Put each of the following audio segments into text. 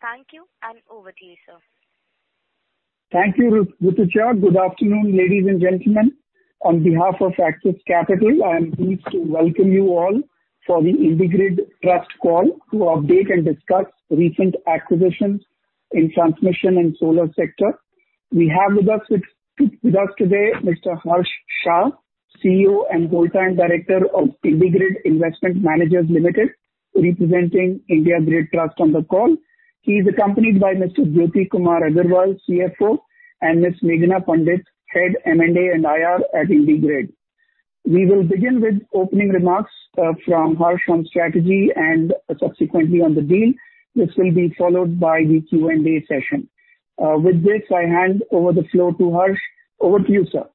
Thank you, and over to you, sir. Thank you, Rutuja. Good afternoon, ladies and gentlemen. On behalf of Axis Capital, I am pleased to welcome you all for the IndiGrid Trust call to update and discuss recent acquisitions in transmission and solar sector. We have with us today Mr. Harsh Shah, CEO and Whole-time Director of IndiGrid Investment Managers Limited, representing IndiGrid Trust on the call. He is accompanied by Mr. Jyoti Kumar Agarwal, CFO, and Ms. Meghana Pandit, Head M&A and IR at IndiGrid. We will begin with opening remarks from Harsh on strategy and subsequently on the deal. This will be followed by the Q&A session. With this, I hand over the floor to Harsh. Over to you, sir.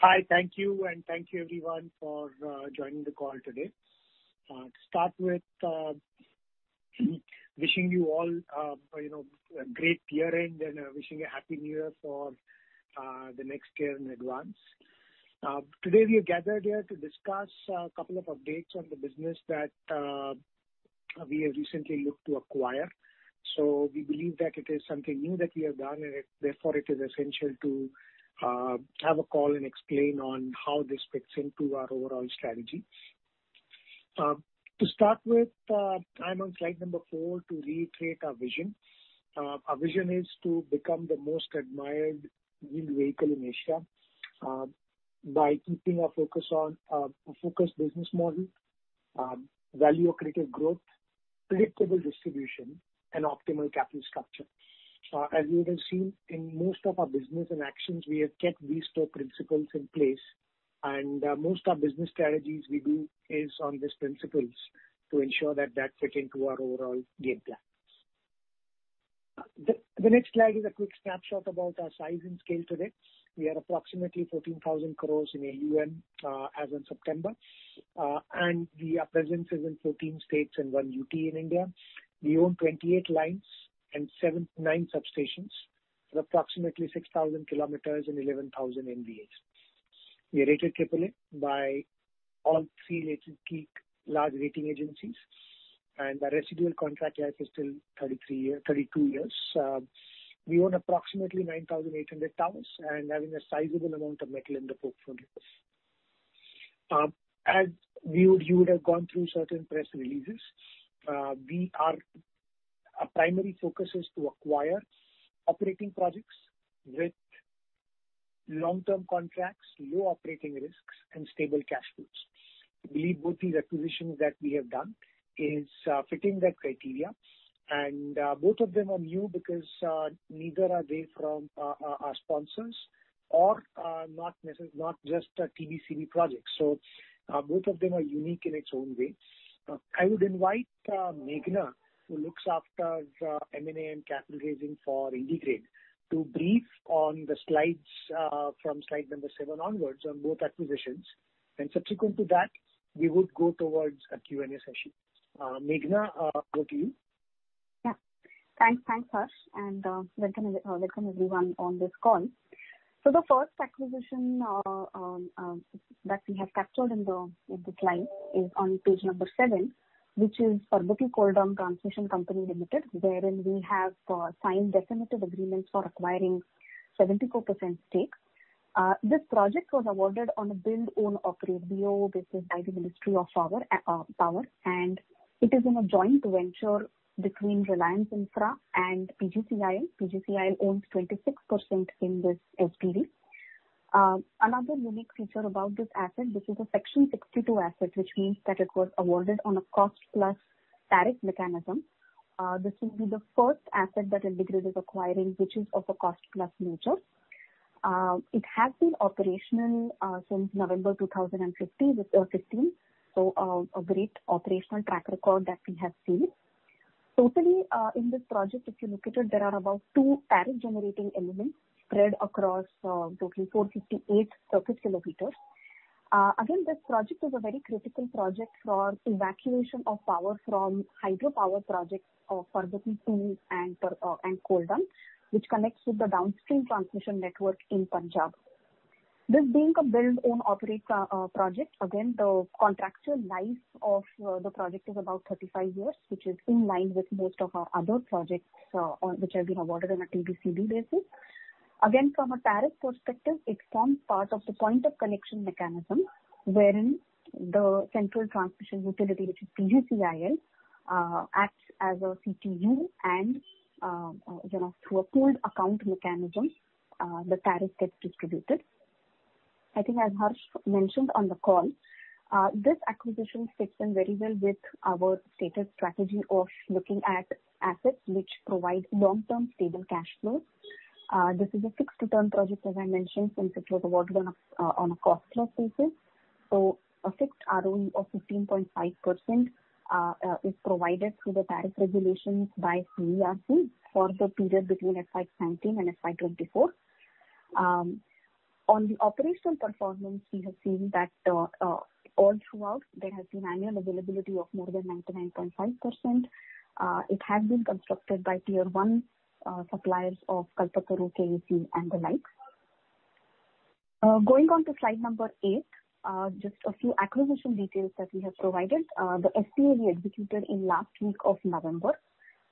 Hi. Thank you, and thank you everyone for joining the call today. To start with, wishing you all a great year-end and wishing a Happy New Year for the next year in advance. Today, we are gathered here to discuss a couple of updates on the business that we have recently looked to acquire. We believe that it is something new that we have done, and therefore it is essential to have a call and explain on how this fits into our overall strategy. To start with, I'm on slide number four to reiterate our vision. Our vision is to become the most admired yield vehicle in Asia by keeping a focus business model, value accretive growth, predictable distribution, and optimal capital structure. As you would have seen in most of our business and actions, we have kept these four principles in place, and most our business strategies we do is on these principles to ensure that fit into our overall game plan. The next slide is a quick snapshot about our size and scale today. We are approximately 14,000 crore in AUM as in September, and we have presence in 14 states and one UT in India. We own 28 lines and nine substations with approximately 6,000km and 11,000 MVAs. We are rated AAA by all three large rating agencies, and our residual contract life is still 32 years. We own approximately 9,800 towers and having a sizable amount of metal in the portfolio. As you would have gone through certain press releases, our primary focus is to acquire operating projects with long-term contracts, low operating risks, and stable cash flows. We believe both the acquisitions that we have done is fitting that criteria. Both of them are new because neither are they from our sponsors or not just a TBCB project, so both of them are unique in its own way. I would invite Meghana, who looks after M&A and capital raising for IndiGrid, to brief on the slides from slide number seven onwards on both acquisitions, and subsequent to that, we would go towards a Q&A session. Meghana, over to you. Yeah. Thanks, Harsh, and welcome everyone on this call. The first acquisition that we have captured in this slide is on page number seven, which is Parbati Koldam Transmission Company Limited, wherein we have signed definitive agreements for acquiring 74% stake. This project was awarded on a build own operate, BOO, basis by the Ministry of Power. It is in a joint venture between Reliance Infra and PGCIL. PGCIL owns 26% in this SPV. Another unique feature about this asset, this is a Section 62 asset, which means that it was awarded on a cost-plus tariff mechanism. This will be the first asset that IndiGrid is acquiring, which is of a cost-plus nature. It has been operational since November 2015, a great operational track record that we have seen. Totally, in this project, if you look at it, there are about two tariff generating elements spread across totally 458 circuit km. Again, this project is a very critical project for evacuation of power from hydropower projects of Parbati and Koldam, which connects with the downstream transmission network in Punjab. This being a build own operate project, again, the contractual life of the project is about 35 years, which is in line with most of our other projects which have been awarded on a TBCB basis. Again, from a tariff perspective, it forms part of the point of connection mechanism, wherein the central transmission utility, which is PGCIL, acts as a CTU and through a pooled account mechanism, the tariff gets distributed. I think as Harsh mentioned on the call, this acquisition fits in very well with our stated strategy of looking at assets which provide long-term stable cash flows. This is a fixed return project, as I mentioned, since it was awarded on a cost-plus basis. A fixed ROE of 15.5% is provided through the tariff regulations by CERC for the period between FY 2019 and FY 2024. On the operational performance, we have seen that all throughout there has been annual availability of more than 99.5%. It has been constructed by tier one suppliers of Kalpataru, KEC, and the likes. Going on to slide number eight, just a few acquisition details that we have provided. The SPA we executed in last week of November.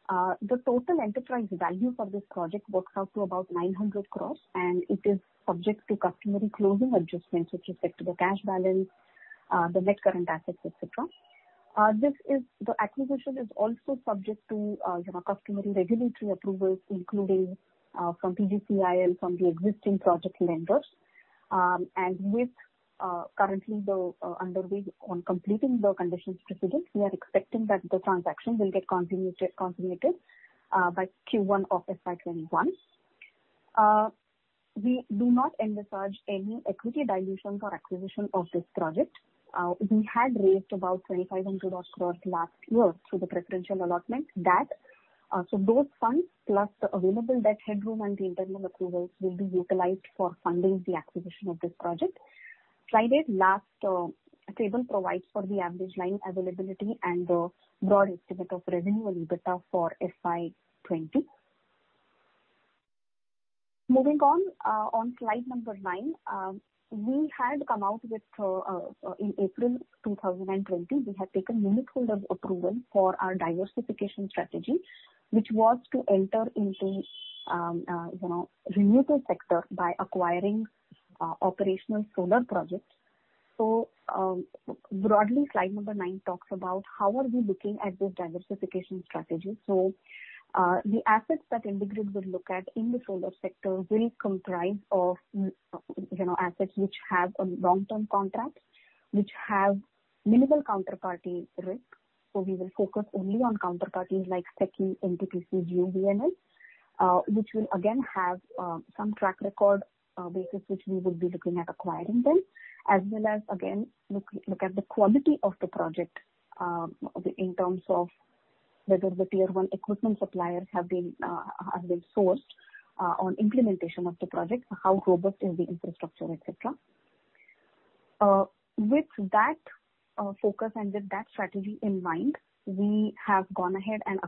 The total enterprise value for this project works out to about 900 crore, and it is subject to customary closing adjustments with respect to the cash balance, the net current assets, et cetera. The acquisition is also subject to customary regulatory approvals, including from PGCIL, from the existing project lenders. With currently the underway on completing the conditions precedent, we are expecting that the transaction will get consummated by Q1 of FY 2021. We do not envisage any equity dilutions or acquisition of this project. We had raised about 2,500 crore last year through the preferential allotment. Those funds, plus the available debt headroom and the internal approvals will be utilized for funding the acquisition of this project. Slide eight, last table provides for the average line availability and the broad estimate of revenue and EBITDA for FY 2020. Moving on slide number nine. In April 2020, we had taken unitholder approval for our diversification strategy, which was to enter into renewable sector by acquiring operational solar projects. Broadly, slide number nine talks about how are we looking at this diversification strategy. The assets that IndiGrid will look at in the solar sector will comprise of assets which have a long-term contract, which have minimal counterparty risk. We will focus only on counterparties like SECI, NTPC, GUVNL, which will again have some track record basis, which we will be looking at acquiring them. As well as, again, look at the quality of the project, in terms of whether the tier one equipment suppliers have been sourced on implementation of the project, how robust is the infrastructure, et cetera. With that focus and with that strategy in mind, we have gone ahead and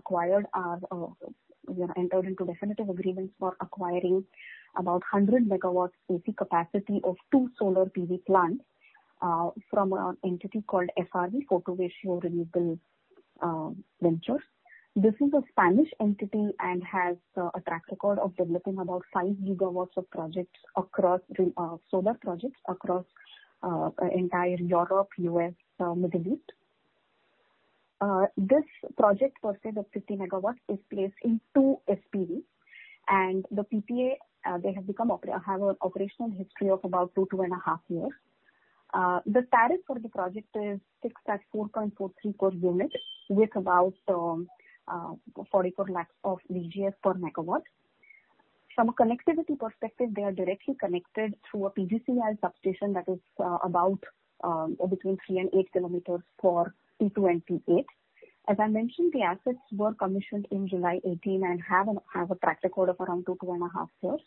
entered into definitive agreements for acquiring about 100MW AC capacity of two solar PV plants from an entity called FRV, Fotowatio Renewable Ventures. This is a Spanish entity and has a track record of developing about 5GW of solar projects across entire Europe, U.S., Middle East. This project, per se, the 50 megawatts is placed in two SPVs, and the PPA, they have an operational history of about two and a half years. The tariff for the project is fixed at 4.43 per unit, with about 44 lakhs of VGF per megawatt. From a connectivity perspective, they are directly connected through a PGCIL substation that is between three and 8km for T28. As I mentioned, the assets were commissioned in July 2018 and have a track record of around two and a half years.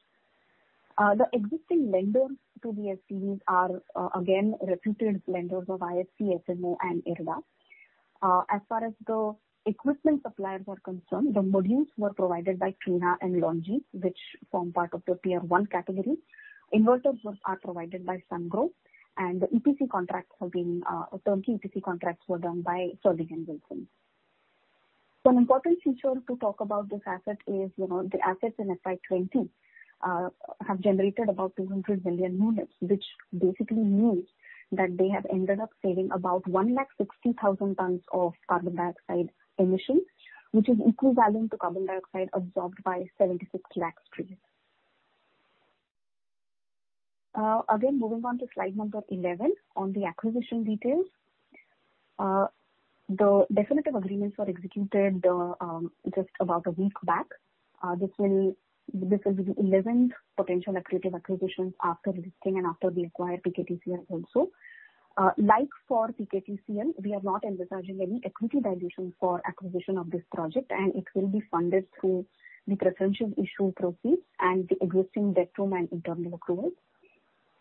The existing lenders to the SPVs are again reputed lenders of IFC, FMO and IREDA. As far as the equipment suppliers are concerned, the modules were provided by Trina and LONGi, which form part of the tier one category. Inverters are provided by Sungrow, the turnkey EPC contracts were done by Sterling and Wilson. An important feature to talk about this asset is the assets in FY 2020 have generated about 200 million units, which basically means that they have ended up saving about 160,000 tons of carbon dioxide emissions, which is equivalent to carbon dioxide absorbed by 76 lakh trees. Moving on to slide number 11 on the acquisition details. The definitive agreements were executed just about a week back. This will be the 11th potential accretive acquisitions after listing and after we acquired PKTCL also. For PKTCL, we are not envisaging any equity dilution for acquisition of this project, and it will be funded through the preferential issue proceeds and the existing debt headroom and internal accruals.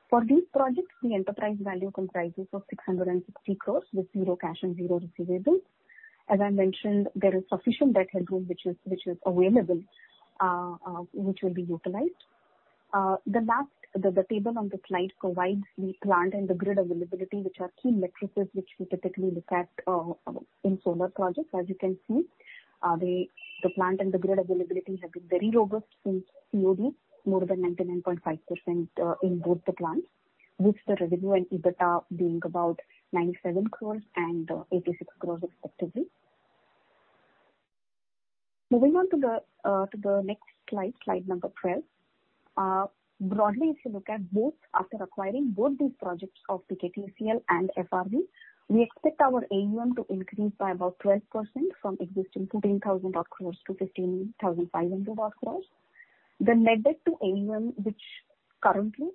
For these projects, the enterprise value comprises of 660 crores with zero cash and zero receivables. As I mentioned, there is sufficient debt headroom which is available, which will be utilized. The table on the slide provides the plant and the grid availability, which are key metrics which we typically look at in solar projects. As you can see, the plant and the grid availability have been very robust since COD, more than 99.5% in both the plants, with the revenue and EBITDA being about 97 crores and 86 crores respectively. Moving on to the next slide number 12. Broadly, if you look at both after acquiring both these projects of PKTCL and FRV, we expect our AUM to increase by about 12% from existing 14,000 odd crore to 15,500 odd crore. The net debt to AUM, which currently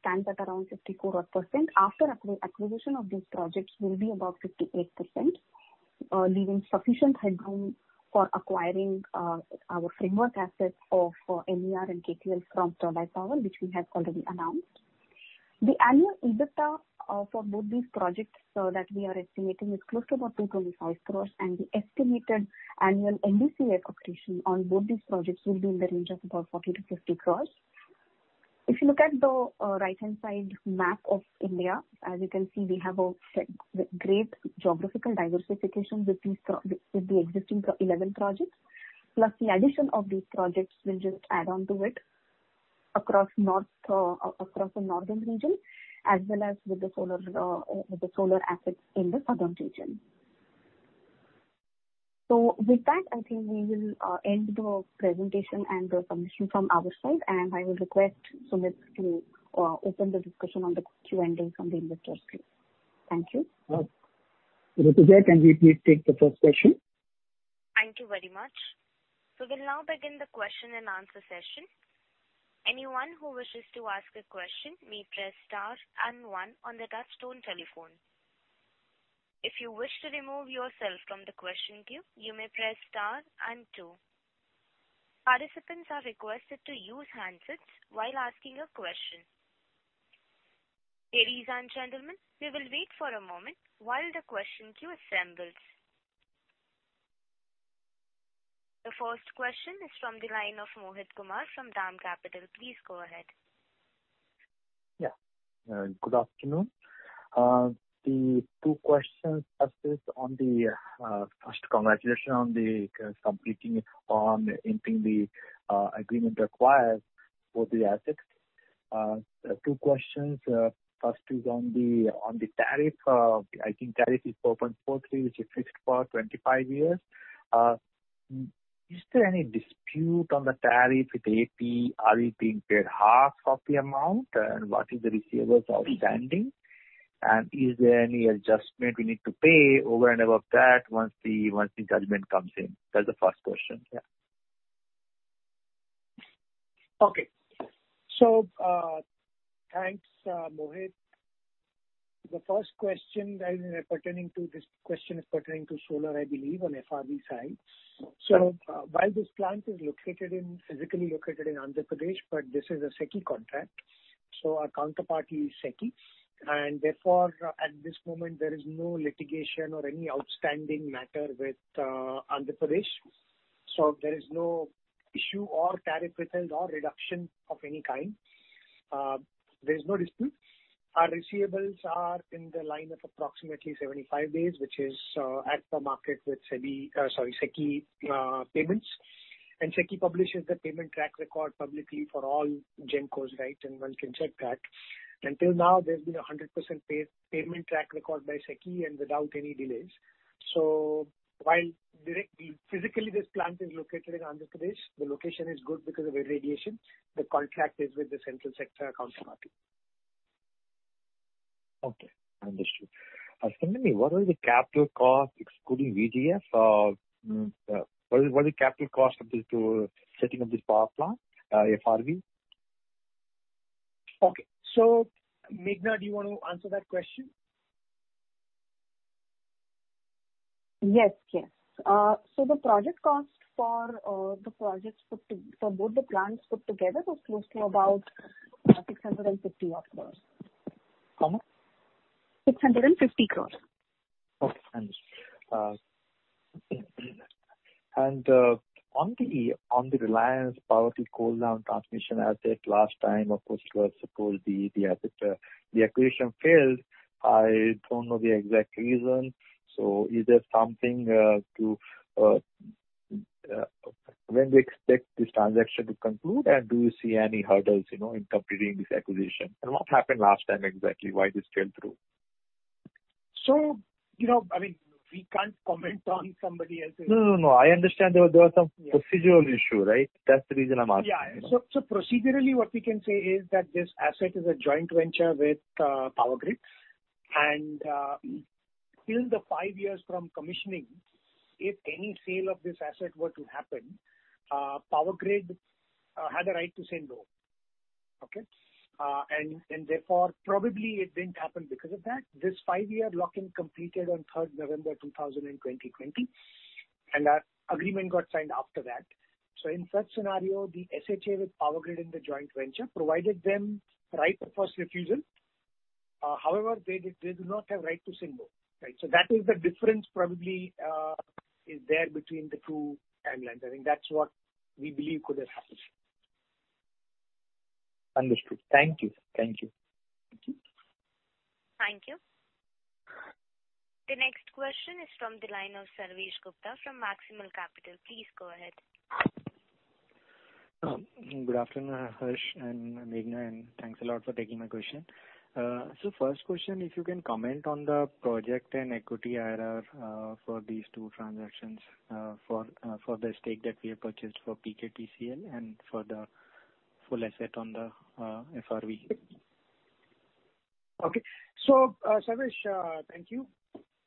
stands at around 54%, after acquisition of these projects will be about 58%, leaving sufficient headroom for acquiring our framework assets of NER and KTL from Sterlite Power, which we have already announced. The annual EBITDA for both these projects that we are estimating is close to about 225 crore, and the estimated annual NDCF contribution on both these projects will be in the range of about 40-50 crore. If you look at the right-hand side map of India, as you can see, we have a great geographical diversification with the existing 11 projects. The addition of these projects will just add on to it across the northern region, as well as with the solar assets in the southern region. With that, I think we will end the presentation and the submission from our side, and I will request Sumit to open the discussion on the Q&A from the investor side. Thank you. Okay. Rutuja, can we please take the first question? Thank you very much. We'll now begin the Q&A session. Anyone who wishes to ask a question may press star and one on their touch-tone telephone. If you wish to remove yourself from the question queue, you may press star and two. Participants are requested to use handsets while asking a question. Ladies and gentlemen, we will wait for a moment while the question queue assembles. The first question is from the line of Mohit Kumar from DAM Capital. Please go ahead. Yeah. Good afternoon. First, congratulations on completing and inking the agreement acquired for the assets. Two questions. First is on the tariff. I think tariff is 4.43, which is fixed for 25 years. Is there any dispute on the tariff with AP? Are we being paid half of the amount? What is the receivables outstanding? Is there any adjustment we need to pay over and above that once the judgment comes in? That's the first question. Yeah. Okay. Thanks, Mohit. This question is pertaining to solar, I believe, on FRV side. While this plant is physically located in Andhra Pradesh, but this is a SECI contract, so our counterparty is SECI. Therefore, at this moment there is no litigation or any outstanding matter with Andhra Pradesh. There is no issue or tariff withheld or reduction of any kind. There's no dispute. Our receivables are in the line of approximately 75 days, which is as per market with SECI payments. SECI publishes the payment track record publicly for all GENCOs, and one can check that. Until now, there's been 100% payment track record by SECI and without any delays. While physically this plant is located in Andhra Pradesh, the location is good because of irradiation. The contract is with the central sector counterparty. Okay, understood. Tell me, what are the capital costs, excluding VGF? What is the capital cost of setting up this power plant, FRV? Okay. Meghana, do you want to answer that question? Yes. The project cost for both the plants put together was closely about 650 crores. How much? 650 crore. Okay, understood. On the Reliance Parbati Koldam Transmission asset, last time, of course, the acquisition failed. I don't know the exact reason. When do you expect this transaction to conclude, and do you see any hurdles in completing this acquisition? What happened last time exactly, why this fell through? We can't comment on somebody else's. No. I understand there was some procedural issue, right? That's the reason I'm asking. Yeah. Procedurally, what we can say is that this asset is a joint venture with Power Grid. Till the five years from commissioning, if any sale of this asset were to happen, Power Grid had a right to say no. Okay. Therefore, probably it didn't happen because of that. This five-year lock-in completed on 3rd November 2020, and our agreement got signed after that. In such scenario, the SHA with Power Grid in the joint venture provided them right of first refusal. However, they do not have right to say no. That is the difference probably, is there between the two timelines. I think that's what we believe could have happened. Understood. Thank you. Thank you. Thank you. The next question is from the line of Sarvesh Gupta from Maximal Capital. Please go ahead. Good afternoon, Harsh and Meghana, and thanks a lot for taking my question. First question, if you can comment on the project and equity IRR for these two transactions for the stake that we have purchased for PKTCL and for the full asset on the FRV. Sarvesh, thank you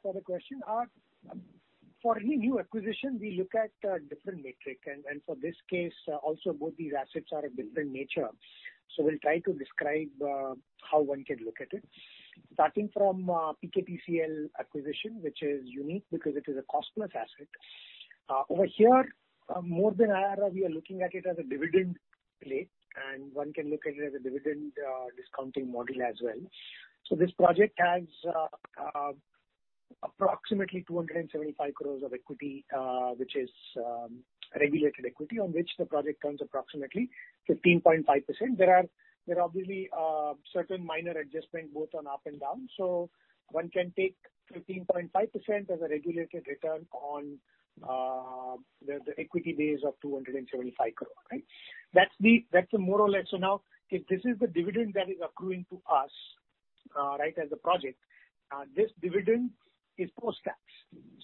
for the question. For any new acquisition, we look at different metric. For this case also, both these assets are of different nature. We'll try to describe how one can look at it. Starting from PKTCL acquisition, which is unique because it is a cost-plus asset. Over here, more than IRR, we are looking at it as a dividend play, and one can look at it as a dividend discounting model as well. This project has approximately 275 crore of equity, which is regulated equity on which the project earns approximately 15.5%. There are obviously certain minor adjustments both on up and down. One can take 15.5% as a regulated return on the equity base of 275 crore. Right. That's more or less. If this is the dividend that is accruing to us as a project, this dividend is post-tax.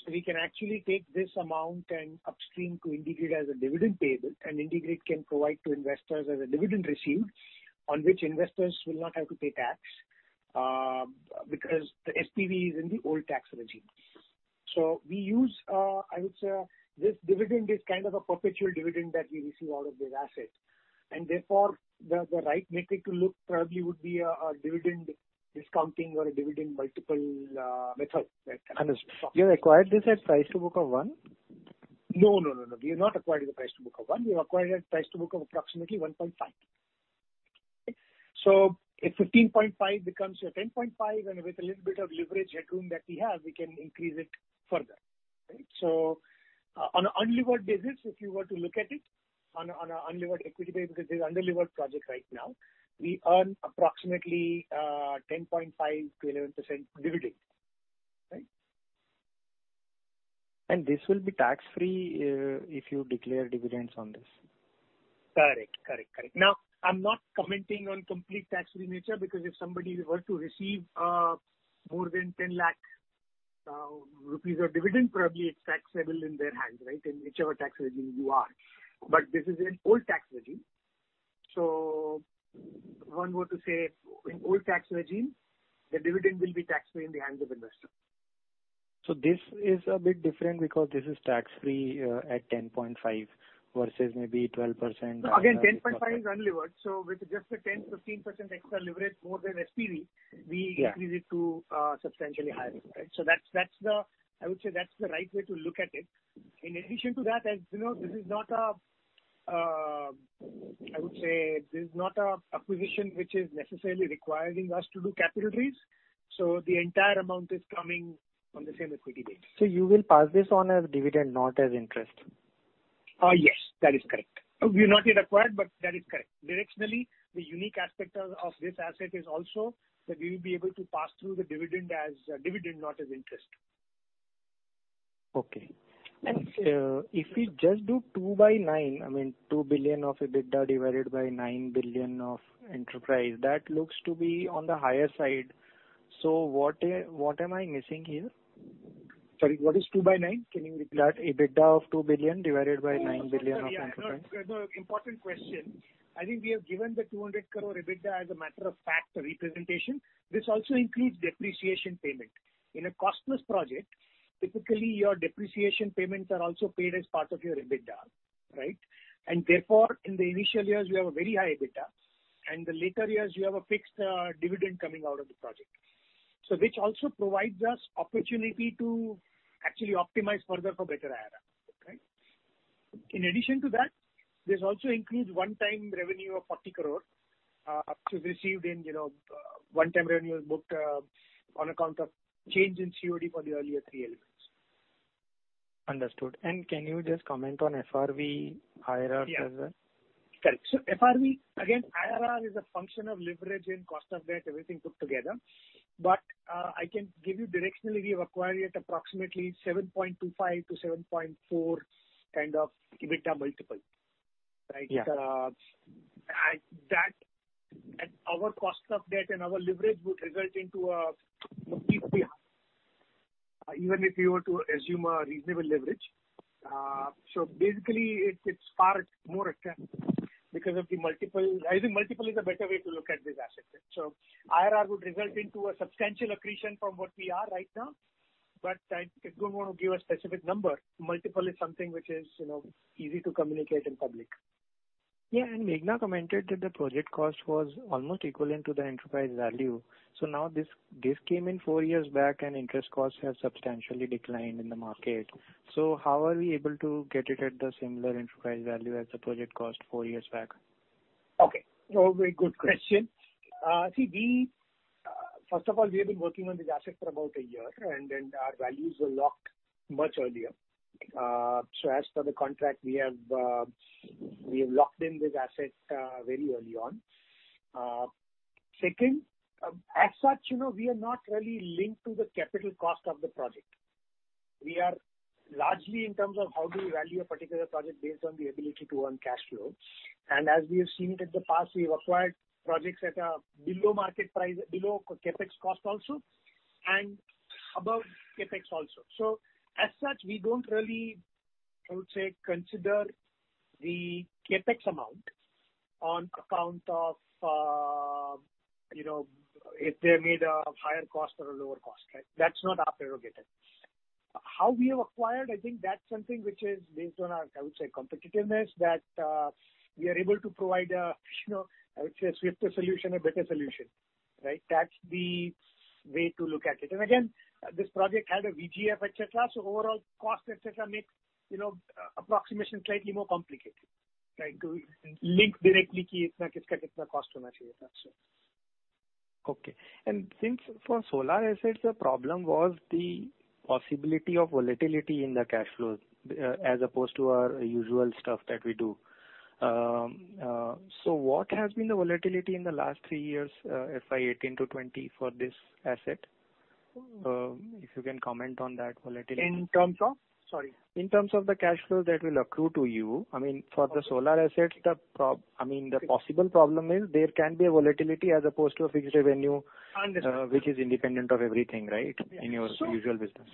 We can actually take this amount and upstream to IndiGrid as a dividend payable, and IndiGrid can provide to investors as a dividend received on which investors will not have to pay tax because the SPV is in the old tax regime. We use, I would say, this dividend is kind of a perpetual dividend that we receive out of this asset. Therefore, the right metric to look probably would be a dividend discounting or a dividend multiple method. Understood. You have acquired this at price to book of one? No. We have not acquired at a price to book of one. We have acquired at price to book of approximately 1.5. A 15.5 becomes a 10.5, and with a little bit of leverage headroom that we have, we can increase it further. On an unlevered basis, if you were to look at it on an unlevered equity basis, because this is an unlevered project right now. We earn approximately 10.5%-11% dividend. Right? This will be tax-free if you declare dividends on this. Correct. I'm not commenting on complete tax-free nature, because if somebody were to receive more than 10 lakhs rupees of dividend, probably it's taxable in their hands. In whichever tax regime you are. This is an old tax regime. If one were to say in old tax regime, the dividend will be tax-free in the hands of investor. This is a bit different because this is tax-free at 10.5 versus maybe 12%. Again, 10.5 is unlevered. With just a 10%-15% extra leverage more than SPV, we increase it to substantially higher. I would say that's the right way to look at it. In addition to that, as you know, this is not a acquisition which is necessarily requiring us to do capital raise. The entire amount is coming from the same equity base. You will pass this on as dividend, not as interest. Yes, that is correct. We've not yet acquired, but that is correct. Directionally, the unique aspect of this asset is also that we will be able to pass through the dividend as dividend, not as interest. Okay. If we just do two by nine, I mean 2 billion of EBITDA divided by 9 billion of enterprise, that looks to be on the higher side. What am I missing here? Sorry, what is two by nine? Can you repeat that? EBITDA of 2 billion divided by 9 billion of enterprise. No, important question. I think we have given the 200 crore EBITDA as a matter of fact representation. This also includes depreciation payment. In a cost-plus project, typically, your depreciation payments are also paid as part of your EBITDA. Right? Therefore, in the initial years, you have a very high EBITDA, and the later years, you have a fixed dividend coming out of the project. Which also provides us opportunity to actually optimize further for better IRR. In addition to that, this also includes one-time revenue of 40 crore to be received in one-time revenue booked on account of change in COD for the earlier three elements. Understood. Can you just comment on FRV, IRR as well? Correct. FRV, again, IRR is a function of leverage and cost of debt, everything put together. I can give you directionally, we have acquired at approximately 7.25 to 7.4 kind of EBITDA multiple. Right? Yeah. At our cost of debt and our leverage would result into a even if you were to assume a reasonable leverage. Basically, it's far more attractive because of the multiple. I think multiple is a better way to look at this asset. IRR would result into a substantial accretion from what we are right now. I don't want to give a specific number. Multiple is something which is easy to communicate in public. Yeah. Meghana commented that the project cost was almost equivalent to the enterprise value. Now this came in four years back, and interest costs have substantially declined in the market. How are we able to get it at the similar enterprise value as the project cost four years back? Okay. Very good question. First of all, we have been working on this asset for about a year, our values were locked much earlier. As per the contract, we have locked in this asset very early on. Second, as such, we are not really linked to the capital cost of the project. We are largely in terms of how do we value a particular project based on the ability to earn cash flow. As we have seen it in the past, we have acquired projects at a below market price, below CapEx cost also, and above CapEx also. As such, we don't really, I would say, consider the CapEx amount on account of if they made a higher cost or a lower cost. That's not our prerogative. How we have acquired, I think that's something which is based on our, I would say, competitiveness, that we are able to provide a swifter solution, a better solution. That's the way to look at it. Again, this project had a VGF, et cetera, so overall cost, et cetera, makes approximation slightly more complicated. Okay. Since for solar assets, the problem was the possibility of volatility in the cash flows, as opposed to our usual stuff that we do. What has been the volatility in the last three years, FY 2018 to 2020, for this asset? If you can comment on that volatility. In terms of? Sorry. In terms of the cash flows that will accrue to you. For the solar assets, the possible problem is there can be a volatility as opposed to a fixed revenue. Understood. Which is independent of everything, right? In your usual business.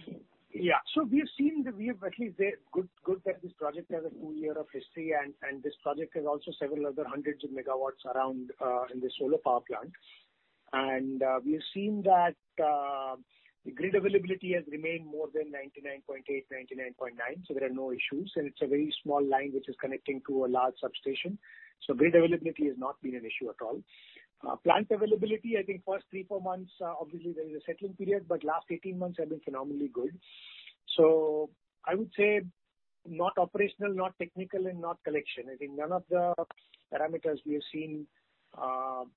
Yeah. We have seen that we have at least a good part of this project has a full year of history, and this project has also several other hundreds of MW around in the solar power plant. We have seen that the grid availability has remained more than 99.8, 99.9, so there are no issues. It's a very small line which is connecting to a large substation. Grid availability has not been an issue at all. Plant availability, I think first three, four months, obviously there is a settling period, but last 18 months have been phenomenally good. I would say not operational, not technical and not collection. I think none of the parameters we have seen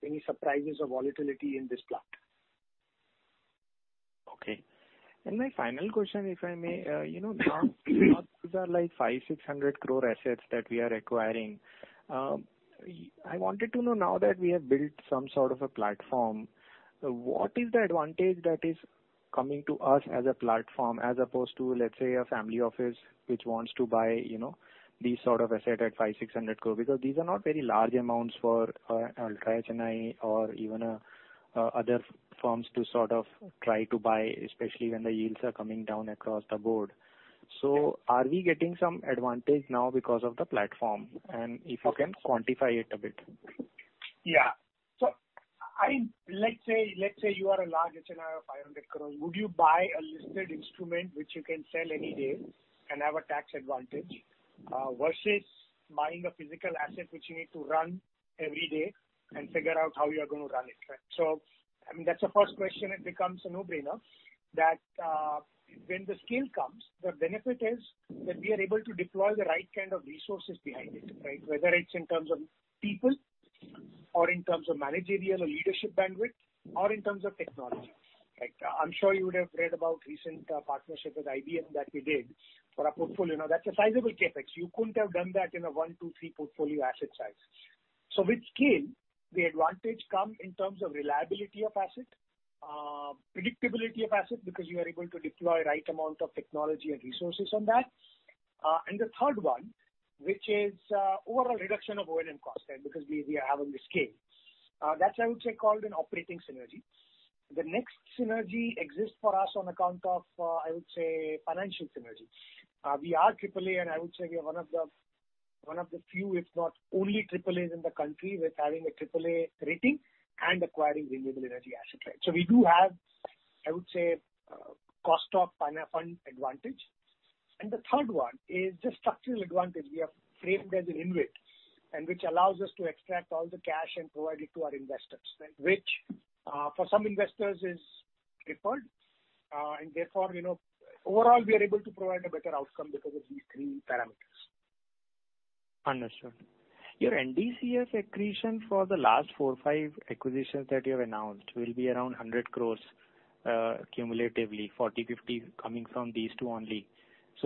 any surprises or volatility in this plant. Okay. My final question, if I may. Those are like 500 crore, 600 crore assets that we are acquiring. I wanted to know now that we have built some sort of a platform, what is the advantage that is coming to us as a platform as opposed to, let's say, a family office which wants to buy these sort of asset at 500 crore, 600 crore? Because these are not very large amounts for Ultra HNI or even other firms to sort of try to buy, especially when the yields are coming down across the board. Are we getting some advantage now because of the platform? If you can quantify it a bit. Let's say you are a large HNI of 500 crore. Would you buy a listed instrument which you can sell any day and have a tax advantage, versus buying a physical asset which you need to run every day and figure out how you're going to run it? That's the first question. It becomes a no-brainer that when the scale comes, the benefit is that we are able to deploy the right kind of resources behind it, right? Whether it's in terms of people or in terms of managerial or leadership bandwidth, or in terms of technology. I'm sure you would have read about recent partnership with IBM that we did for our portfolio. That's a sizable CapEx. You couldn't have done that in a one, two, three portfolio asset size. With scale, the advantage come in terms of reliability of asset, predictability of asset, because you are able to deploy right amount of technology and resources on that. The third one, which is overall reduction of O&M cost, because we are having the scale. That I would say, called an operating synergy. The next synergy exists for us on account of, I would say, financial synergy. We are AAA, and I would say we are one of the few, if not only AAAs in the country with having a AAA rating and acquiring renewable energy asset. We do have, I would say, cost of fund advantage. The third one is the structural advantage. We are framed as an InvIT, and which allows us to extract all the cash and provide it to our investors, which for some investors is preferred. Therefore, overall, we are able to provide a better outcome because of these three parameters. Understood. Your NDCF accretion for the last four, five acquisitions that you have announced will be around 100 crores cumulatively, 40-50 coming from these two only.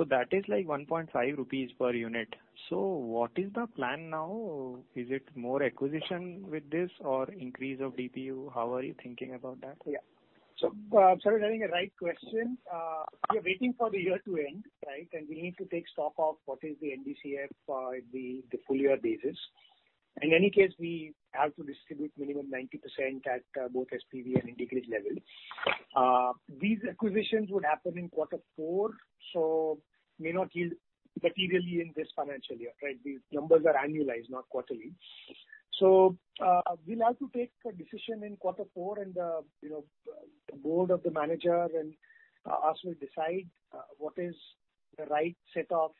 That is like 1.5 rupees per unit. What is the plan now? Is it more acquisition with this or increase of DPU? How are you thinking about that? Sir, you're asking the right question. We are waiting for the year to end, right? We need to take stock of what is the NDCF for the full year basis. In any case, we have to distribute minimum 90% at both SPV and IndiGrid level. These acquisitions would happen in Q4, so may not yield materially in this financial year, right? These numbers are annualized, not quarterly. We'll have to take a decision in Q4 and the Board of the Manager and us will decide what is the right set of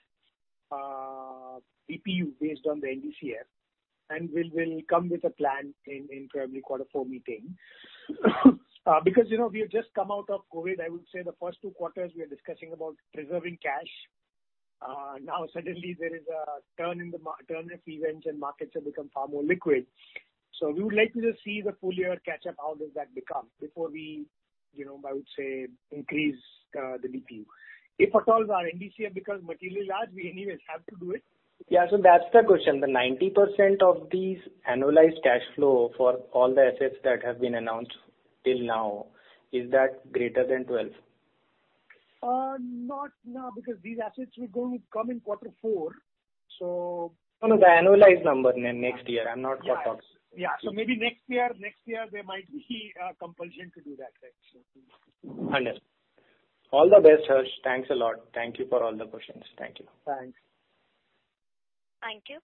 DPU based on the NDCF. We will come with a plan in probably Q4 meeting. Because we have just come out of COVID, I would say the first two quarters we are discussing about preserving cash. Suddenly there is a turn in events and markets have become far more liquid. We would like to just see the full year catch up, how does that become, before we, I would say, increase the DPU. If at all our NDCF becomes materially large, we anyways have to do it. Yeah. That's the question. The 90% of these annualized cash flow for all the assets that have been announced till now, is that greater than 12? Not now, because these assets will come in quarter four. No, the annualized number next year. Yeah. Maybe next year there might be a compulsion to do that. Understood. All the best, Harsh. Thanks a lot. Thank you for all the questions. Thank you. Thanks. Thank you.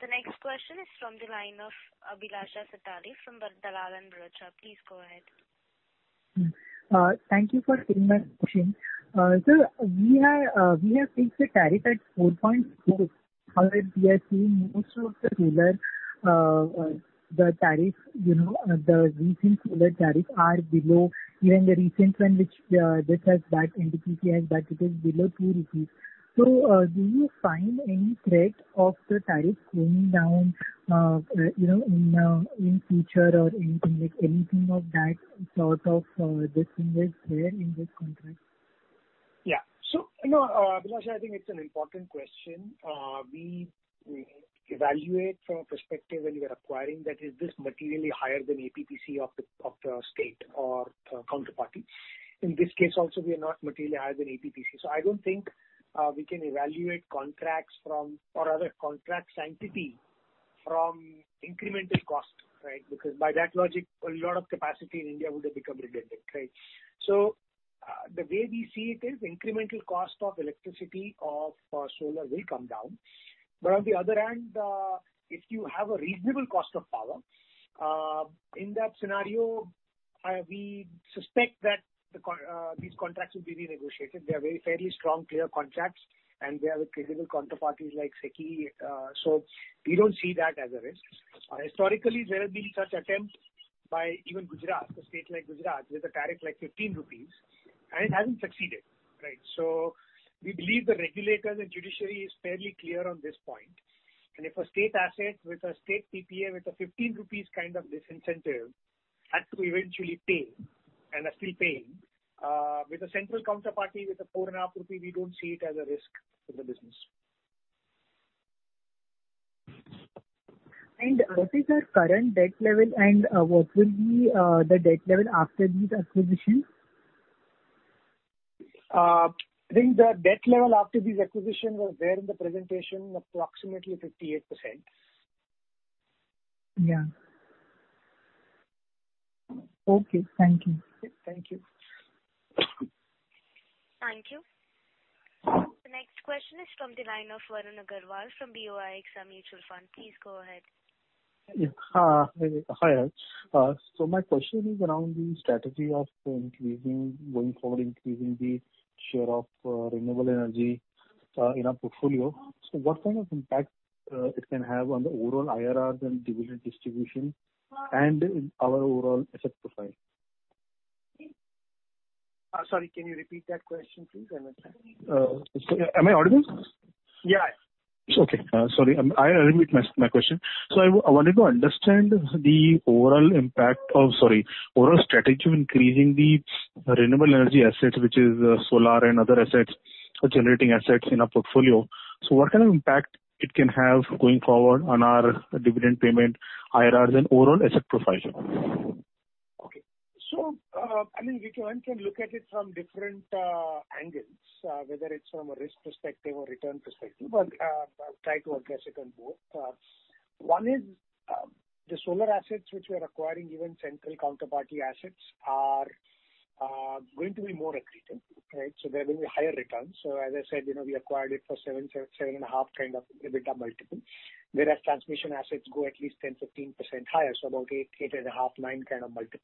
The next question is from the line of Abhilasha Satale from Dalal & Broacha. Please go ahead. Thank you for taking my question. Sir, we have fixed the tariff at INR 4.2. However, we are seeing most of the solar, the recent solar tariff are below even the recent one, which this has backed NTPC has backed it is below 2 rupees. Do you find any threat of the tariff going down in future or anything of that sort of this wind, where in this contract? Yeah. Abhilasha, I think it's an important question. We evaluate from a perspective when we are acquiring that is this materially higher than APPC of the state or counterparty. In this case also, we are not materially higher than APPC. I don't think we can evaluate contracts from or rather contract sanctity from incremental cost. Because by that logic, a lot of capacity in India would have become redundant. The way we see it is incremental cost of electricity of solar will come down. On the other hand, if you have a reasonable cost of power, in that scenario, we suspect that these contracts will be renegotiated. They are very fairly strong, clear contracts, and they are with credible counterparties like SECI, so we don't see that as a risk. Historically, there have been such attempts by even Gujarat, a state like Gujarat, with a tariff like 15 rupees, it hasn't succeeded. We believe the regulators and judiciary is fairly clear on this point, and if a state asset with a state PPA with a 15 rupees kind of disincentive had to eventually pay and are still paying, with a central counterparty with a 4.5 rupee, we don't see it as a risk to the business. What is our current debt level and what will be the debt level after these acquisitions? I think the debt level after these acquisitions was there in the presentation, approximately 58%. Yeah. Okay. Thank you. Thank you. Thank you. The next question is from the line of Varun Agrawal from BOI AXA Mutual Fund. Please go ahead. Hi. My question is around the strategy of going forward increasing the share of renewable energy in our portfolio. What kind of impact it can have on the overall IRRs and dividend distribution and our overall asset profile? Sorry, can you repeat that question, please? I'm not sure. Am I audible? Yeah. Okay. Sorry. I'll repeat my question. I wanted to understand the overall strategy of increasing the renewable energy assets, which is solar and other assets or generating assets in our portfolio. What kind of impact it can have going forward on our dividend payment, IRRs, and overall asset profile? Okay. One can look at it from different angles, whether it's from a risk perspective or return perspective. I'll try to address it on both. One is, the solar assets which we are acquiring, even central counterparty assets, are going to be more accretive. They're going to be higher returns. As I said, we acquired it for 7.5 kind of EBITDA multiple, whereas transmission assets go at least 10%, 15% higher, so about 8.5, 9 kind of multiple.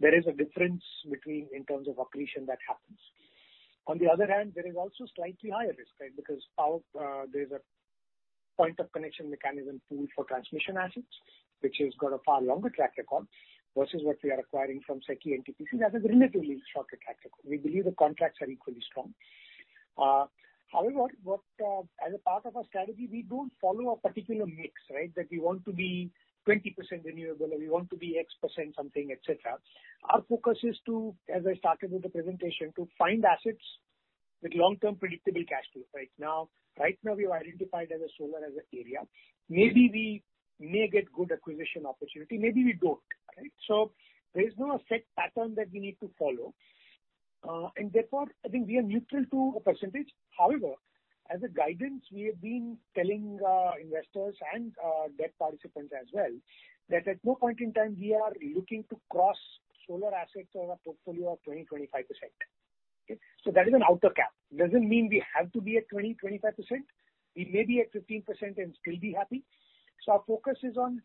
There is a difference between in terms of accretion that happens. On the other hand, there is also slightly higher risk, because there's a point of connection mechanism tool for transmission assets, which has got a far longer track record versus what we are acquiring from SECI, NTPC, that is relatively shorter track record. As part of our strategy, we don't follow a particular mix. We want to be 20% renewable, or we want to be x% something, et cetera. Our focus is to, as I started with the presentation, to find assets with long-term predictable cash flows. Right now, we have identified as a solar as an area. Maybe we may get good acquisition opportunity, maybe we don't. There is no set pattern that we need to follow. Therefore, I think we are neutral to a percentage. As a guidance, we have been telling investors and debt participants as well that at no point in time, we are looking to cross solar assets of our portfolio of 20%-25%. That is an outer cap. Doesn't mean we have to be at 20%-25%. We may be at 15% and still be happy. Our focus is on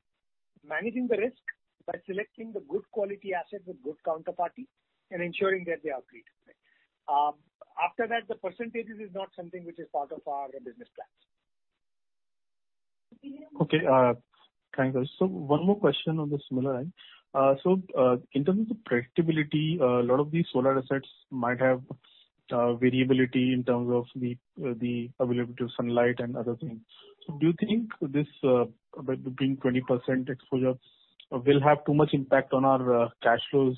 managing the risk by selecting the good quality asset with good counterparty and ensuring that they operate. After that, the percentages is not something which is part of our business plans. Okay. Thanks. One more question on the similar line. In terms of predictability, a lot of these solar assets might have variability in terms of the availability of sunlight and other things. Do you think this, between 20% exposure, will have too much impact on our cash flows,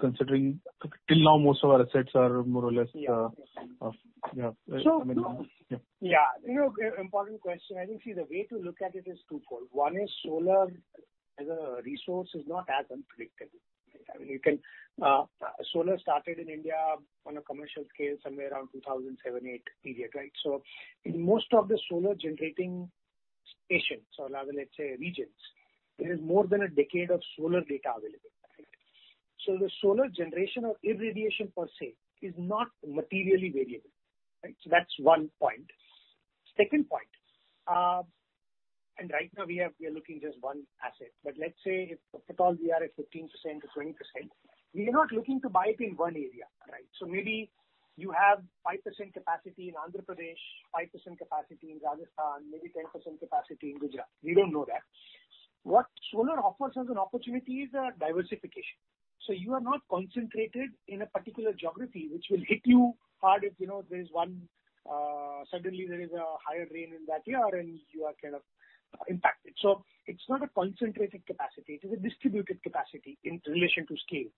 considering till now most of our assets are more or less? Yeah. Important question. I think, see, the way to look at it is twofold. One is solar as a resource is not as unpredictable. Solar started in India on a commercial scale somewhere around 2007, 2008 period. In most of the solar generating stations or rather, let's say regions, there is more than a decade of solar data available. The solar generation or irradiation per se is not materially variable. That's one point. Second point. Right now, we are looking just one asset. Let's say if per call we are at 15%-20%, we are not looking to buy it in one area, right? Maybe you have 5% capacity in Andhra Pradesh, 5% capacity in Rajasthan, maybe 10% capacity in Gujarat. We don't know that. What solar offers us an opportunity is a diversification. You are not concentrated in a particular geography, which will hit you hard if suddenly there is a higher rain in that year and you are impacted. It's not a concentrated capacity, it is a distributed capacity in relation to scales.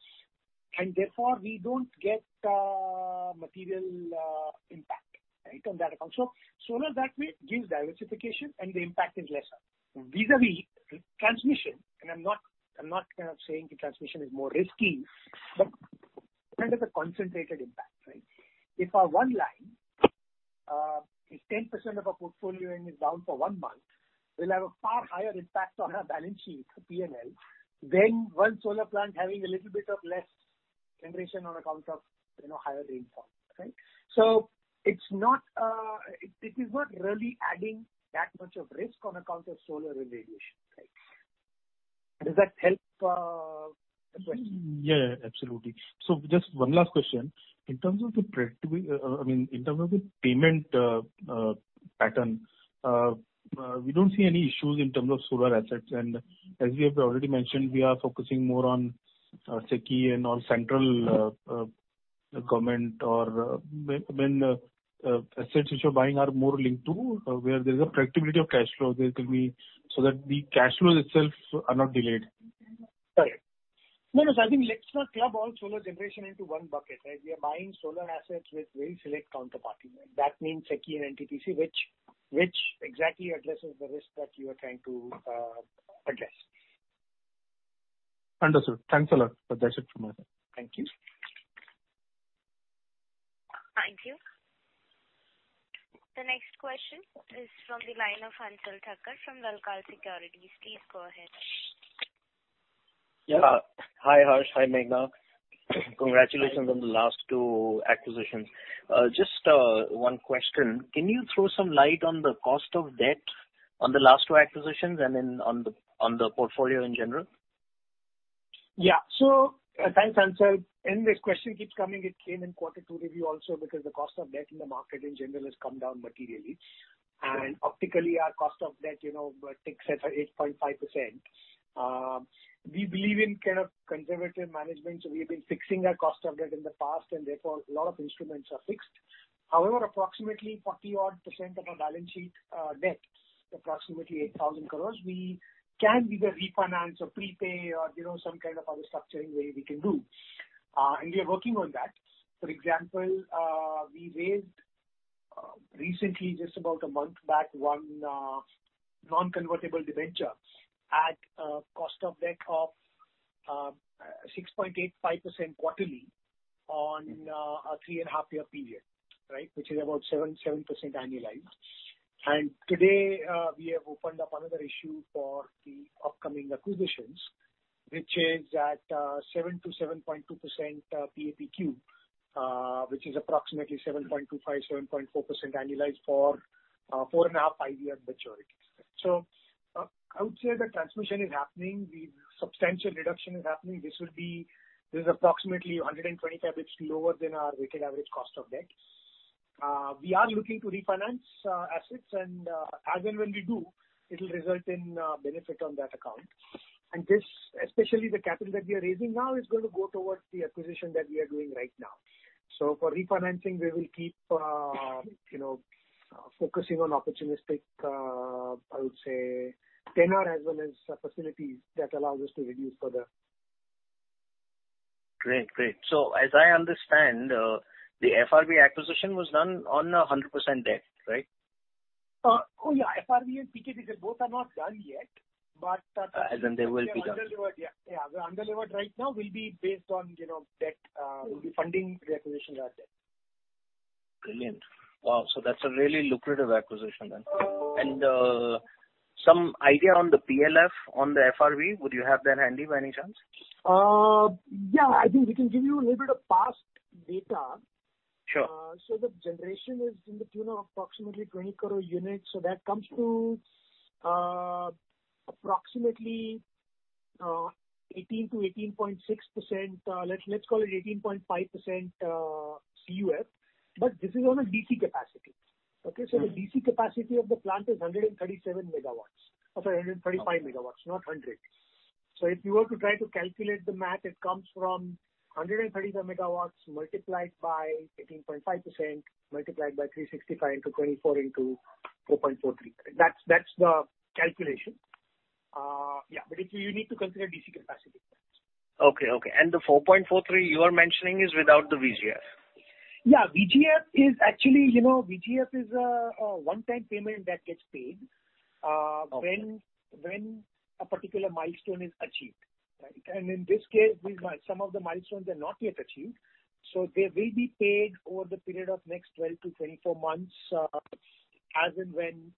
Therefore, we don't get material impact on that account. Solar that way gives diversification and the impact is lesser. Vis-a-vis transmission, and I'm not saying the transmission is more risky, but it's kind of a concentrated impact, right? If our one line, if 10% of our portfolio is down for one month, we'll have a far higher impact on our balance sheet, P&L, than one solar plant having a little bit of less generation on account of higher rainfall. It is not really adding that much of risk on account of solar irradiation. Does that help, question? Yeah, absolutely. Just one last question. In terms of the payment pattern, we don't see any issues in terms of solar assets. As we have already mentioned, we are focusing more on SECI and on central government or when assets which you're buying are more linked to where there's a predictability of cash flow, so that the cash flows itself are not delayed. Correct. No, I think let's not club all solar generation into one bucket. Right. We are buying solar assets with very select counterparty. That means SECI and NTPC, which exactly addresses the risk that you are trying to address. Understood. Thanks a lot. That's it from my side. Thank you. Thank you. The next question is from the line of Hansal Thacker from Lalkar Securities. Please go ahead. Hi, Harsh. Hi, Meghana. Congratulations on the last two acquisitions. Just one question. Can you throw some light on the cost of debt on the last two acquisitions and then on the portfolio in general? Yeah. Thanks, Hansal. This question keeps coming. It came in quarter two review also because the cost of debt in the market in general has come down materially. Optically, our cost of debt ticks at 8.5%. We believe in conservative management, so we've been fixing our cost of debt in the past and therefore, a lot of instruments are fixed. However, approximately 40 odd % of our balance sheet debt, approximately 8,000 crore, we can either refinance or prepay or some kind of other structuring way we can do. We are working on that. For example, we raised recently, just about a month back, one non-convertible debenture at a cost of debt of 6.85% quarterly on a 3.5 year period, which is about 7% annualized. Today, we have opened up another issue for the upcoming acquisitions, which is at 7%-7.2% p.a. p.q., which is approximately 7.25%-7.4% annualized for 4.5-5-year maturity. I would say the transmission is happening. The substantial reduction is happening. This is approximately 125 basis lower than our weighted average cost of debt. We are looking to refinance assets, and as and when we do, it'll result in benefit on that account. This, especially the capital that we are raising now, is going to go towards the acquisition that we are doing right now. For refinancing, we will keep focusing on opportunistic, I would say, tenor as well as facilities that allow us to reduce further. As I understand, the FRV acquisition was done on a 100% debt, right? Oh, yeah. FRV and PK, they both are not done yet. They will be done. They're under levered right now, will be based on debt. We'll be funding the acquisition out of debt. Brilliant. Wow. That's a really lucrative acquisition then. Some idea on the PLF on the FRV. Would you have that handy by any chance? Yeah, I think we can give you a little bit of past data. Sure. The generation is in the tune of approximately 20 crore units. That comes to approximately 18%-18.6%. Let's call it 18.5% CUF, but this is on a DC capacity. Okay. The DC capacity of the plant is 137MW. Sorry, 135MW, not hundred. If you were to try to calculate the math, it comes from 135MW multiplied by 18.5%, multiplied by 365 into 24 into 4.43. That's the calculation. Yeah. You need to consider DC capacity. Okay. The 4.43 you are mentioning is without the VGF? Yeah. Actually, VGF is a one-time payment that gets paid. Okay. When a particular milestone is achieved. Right. In this case, some of the milestones are not yet achieved, so they will be paid over the period of next 12 to 24 months, as and when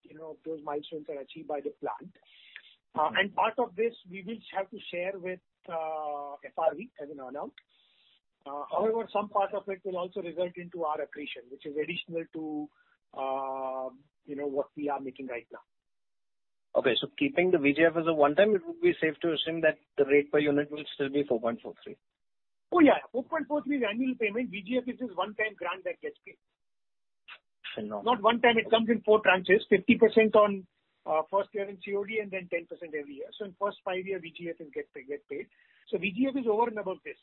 those milestones are achieved by the plant. Part of this we will have to share with FRV as and when announced. However, some part of it will also result into our accretion, which is additional to what we are making right now. Okay. Keeping the VGF as a one time, it would be safe to assume that the rate per unit will still be 4.43? Oh, yeah. 4.43 is annual payment. VGF is just one-time grant that gets paid. I know. Not one time. It comes in four tranches, 50% on first year in COD and then 10% every year. In first five year, VGF will get paid. VGF is over and above this.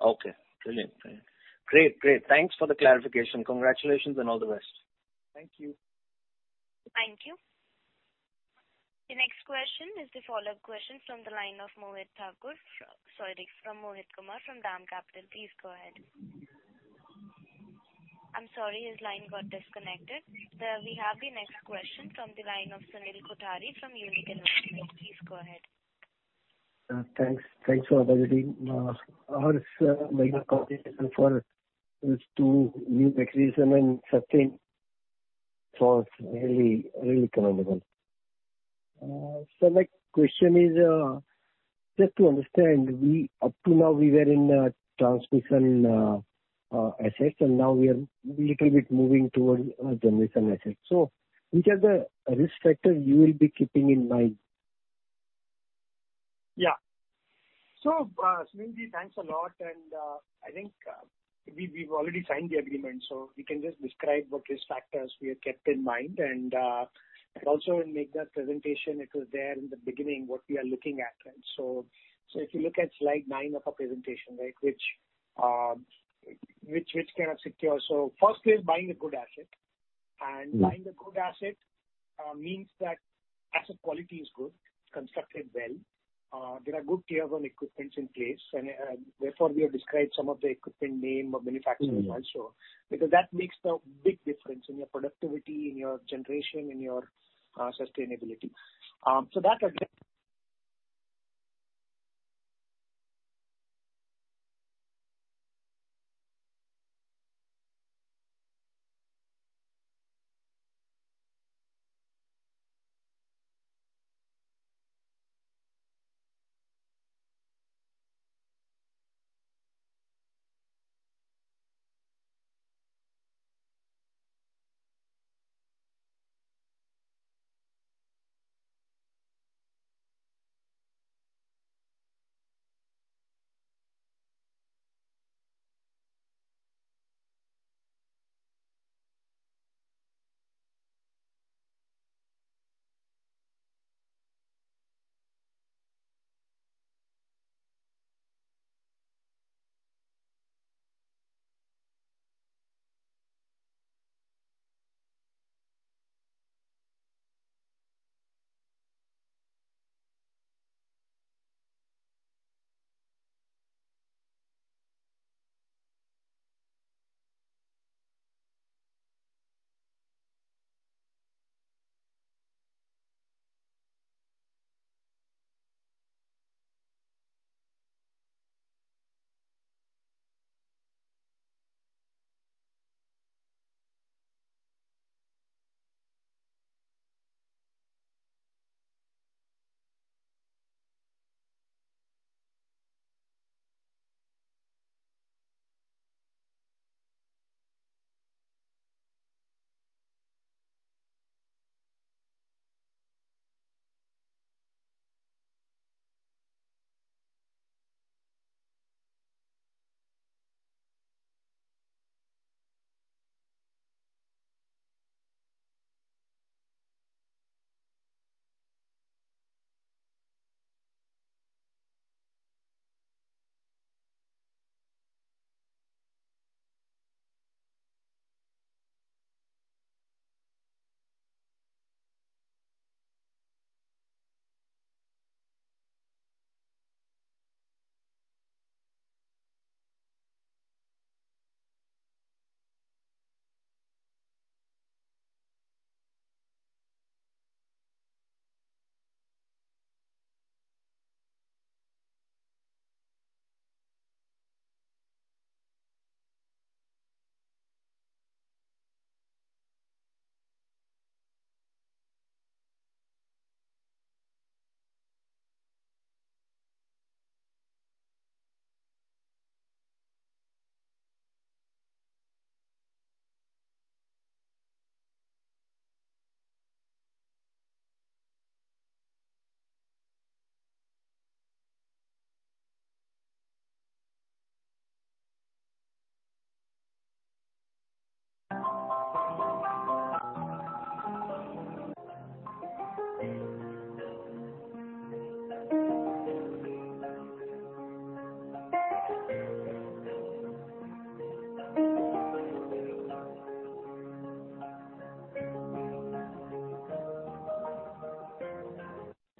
Okay. Brilliant. Great. Thanks for the clarification. Congratulations and all the best. Thank you. Thank you. The next question is the follow-up question from the line of Mohit Thakur. Sorry, from Mohit Kumar from DAM Capital. Please go ahead. I'm sorry, his line got disconnected. We have the next question from the line of Sunil Kothari from Unique Investment. Please go ahead. Thanks for the opportunity. Ours for these two new mechanism and certain thoughts, really commendable. My question is, just to understand, up to now, we were in transmission assets, and now we are little bit moving towards generation assets. Which are the risk factors you will be keeping in mind? Yeah. Sunil, thanks a lot. I think we've already signed the agreement, so we can just describe what risk factors we have kept in mind. Also in Meghana presentation, it was there in the beginning what we are looking at. If you look at slide nine of our presentation. First is buying a good asset. Buying a good asset means that asset quality is good, constructed well, there are good tier one equipments in place, and therefore we have described some of the equipment name of manufacturers also. Because that makes the big difference in your productivity, in your generation, in your sustainability.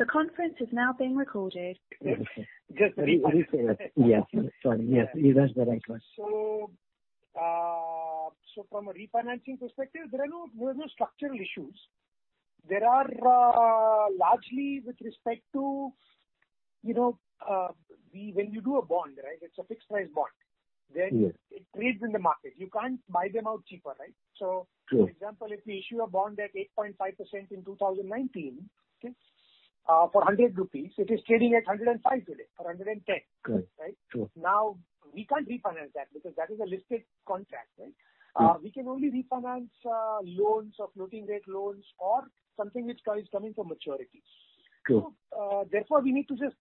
The conference is now being recorded. Yes. Yes. Sorry. Yes, that's the right question. From a refinancing perspective, there are no structural issues. When you do a bond, it's a fixed price bond. Yes. It trades in the market. You can't buy them out cheaper, right? True. For example, if we issue a bond at 8.5% in 2019, okay, for 100 rupees, it is trading at 105 today, or 110. Good. Right? True. Now, we can't refinance that because that is a listed contract, right? Yes. We can only refinance loans or floating rate loans or something which is coming from maturity. Good. We need to just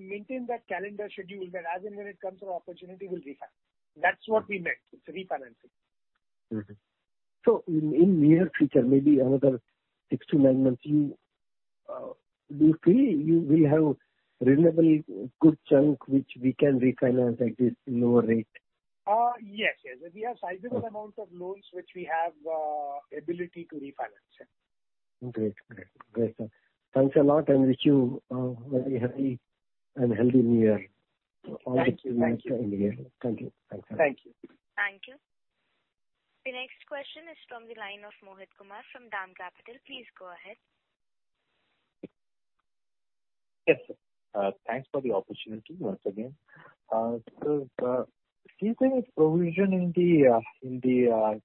maintain that calendar schedule that as and when it comes to opportunity, we'll refinance. That's what we meant with refinancing. In near future, maybe another six to nine months, do you feel we have reasonable good chunk which we can refinance at this lower rate? Yes. We have sizable amount of loans which we have ability to refinance, yes. Great, sir. Thanks a lot and wish you a very happy and healthy New Year. Thank you. Thank you. Thank you. The next question is from the line of Mohit Kumar from DAM Capital. Please go ahead. Yes. Thanks for the opportunity once again. Sir, is there a provision in the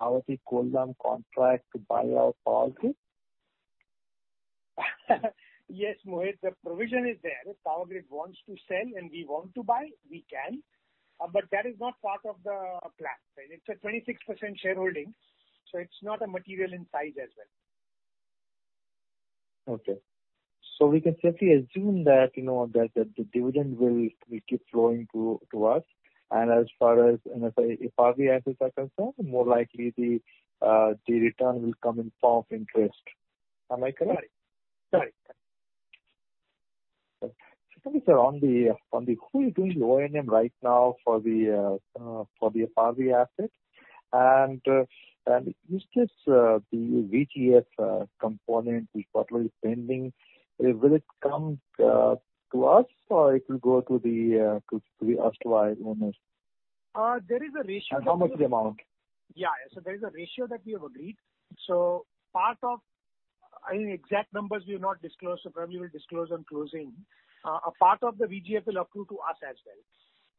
Power Grid-Koldam contract to buy out Power Grid? Yes, Mohit, the provision is there. If Power Grid wants to sell and we want to buy, we can. That is not part of the plan. It's a 26% shareholding, so it's not material in size as well. Okay. We can safely assume that the dividend will keep flowing to us, and as far as FRV assets are concerned, more likely, the return will come in form of interest. Am I correct? Correct. Second, sir, on the who is doing the O&M right now for the FRV asset. Is this the VGF component which is currently pending? Will it come to us, or it will go to the erstwhile owners? There is a ratio- How much the amount? There is a ratio that we have agreed. Exact numbers we will not disclose. Probably we'll disclose on closing. A part of the VGF will accrue to us as well.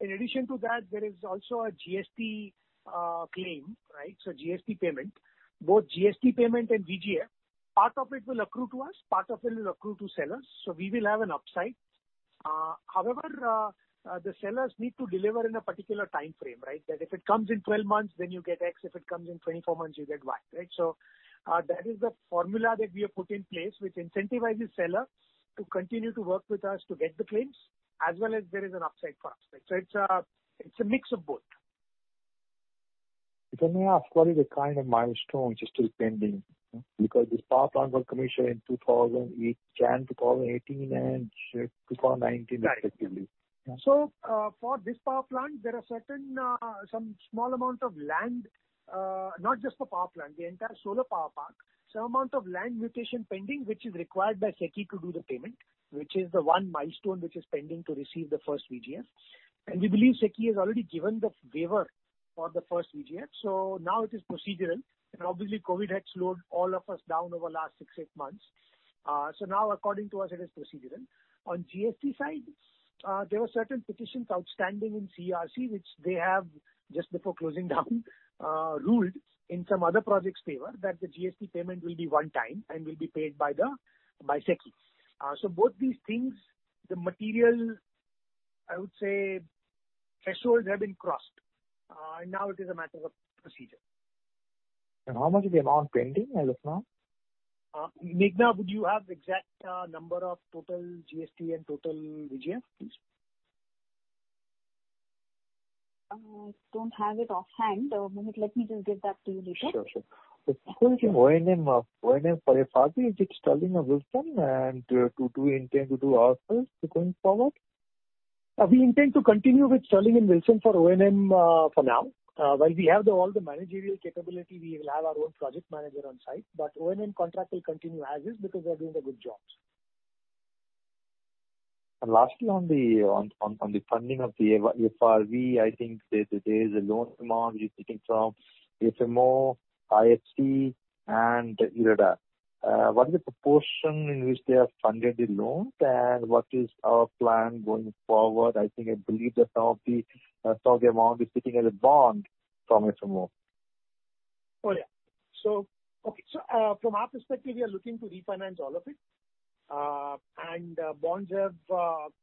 In addition to that, there is also a GST claim. GST payment. Both GST payment and VGF, part of it will accrue to us, part of it will accrue to sellers. We will have an upside. However, the sellers need to deliver in a particular timeframe. That if it comes in 12 months, then you get X, if it comes in 24 months, you get Y. That is the formula that we have put in place, which incentivizes sellers to continue to work with us to get the claims, as well as there is an upside for us. It's a mix of both. If I may ask, what is the kind of milestone which is still pending? Because this power plant was commissioned in January 2018 and 2019 respectively. Right. For this power plant, there are some small amount of land, not just for power plant, the entire solar power park. Some amount of land mutation pending which is required by SECI to do the payment, which is the one milestone which is pending to receive the first VGF. We believe SECI has already given the waiver for the first VGF, now it is procedural. Obviously, COVID had slowed all of us down over last six, eight months. Now according to us, it is procedural. On GST side, there were certain petitions outstanding in CERC, which they have just before closing down, ruled in some other projects favor that the GST payment will be one time and will be paid by SECI. Both these things, the material, I would say, thresholds have been crossed. Now it is a matter of procedure. How much is the amount pending as of now? Meghana, would you have exact number of total GST and total VGF, please? I don't have it offhand, Mohit. Let me just get back to you later. Sure. Who is the O&M for FRV? Is it Sterling and Wilson? Do we intend to do ourselves going forward? We intend to continue with Sterling and Wilson for O&M for now. While we have all the managerial capability, we will have our own project manager on site, but O&M contract will continue as is because they're doing a good job. Lastly, on the funding of the FRV, I think there is a loan demand you're taking from FMO, IFC, and IREDA. What is the proportion in which they have funded the loan, and what is our plan going forward? I believe that some of the amount is sitting as a bond from FMO. Oh, yeah. From our perspective, we are looking to refinance all of it. Bonds have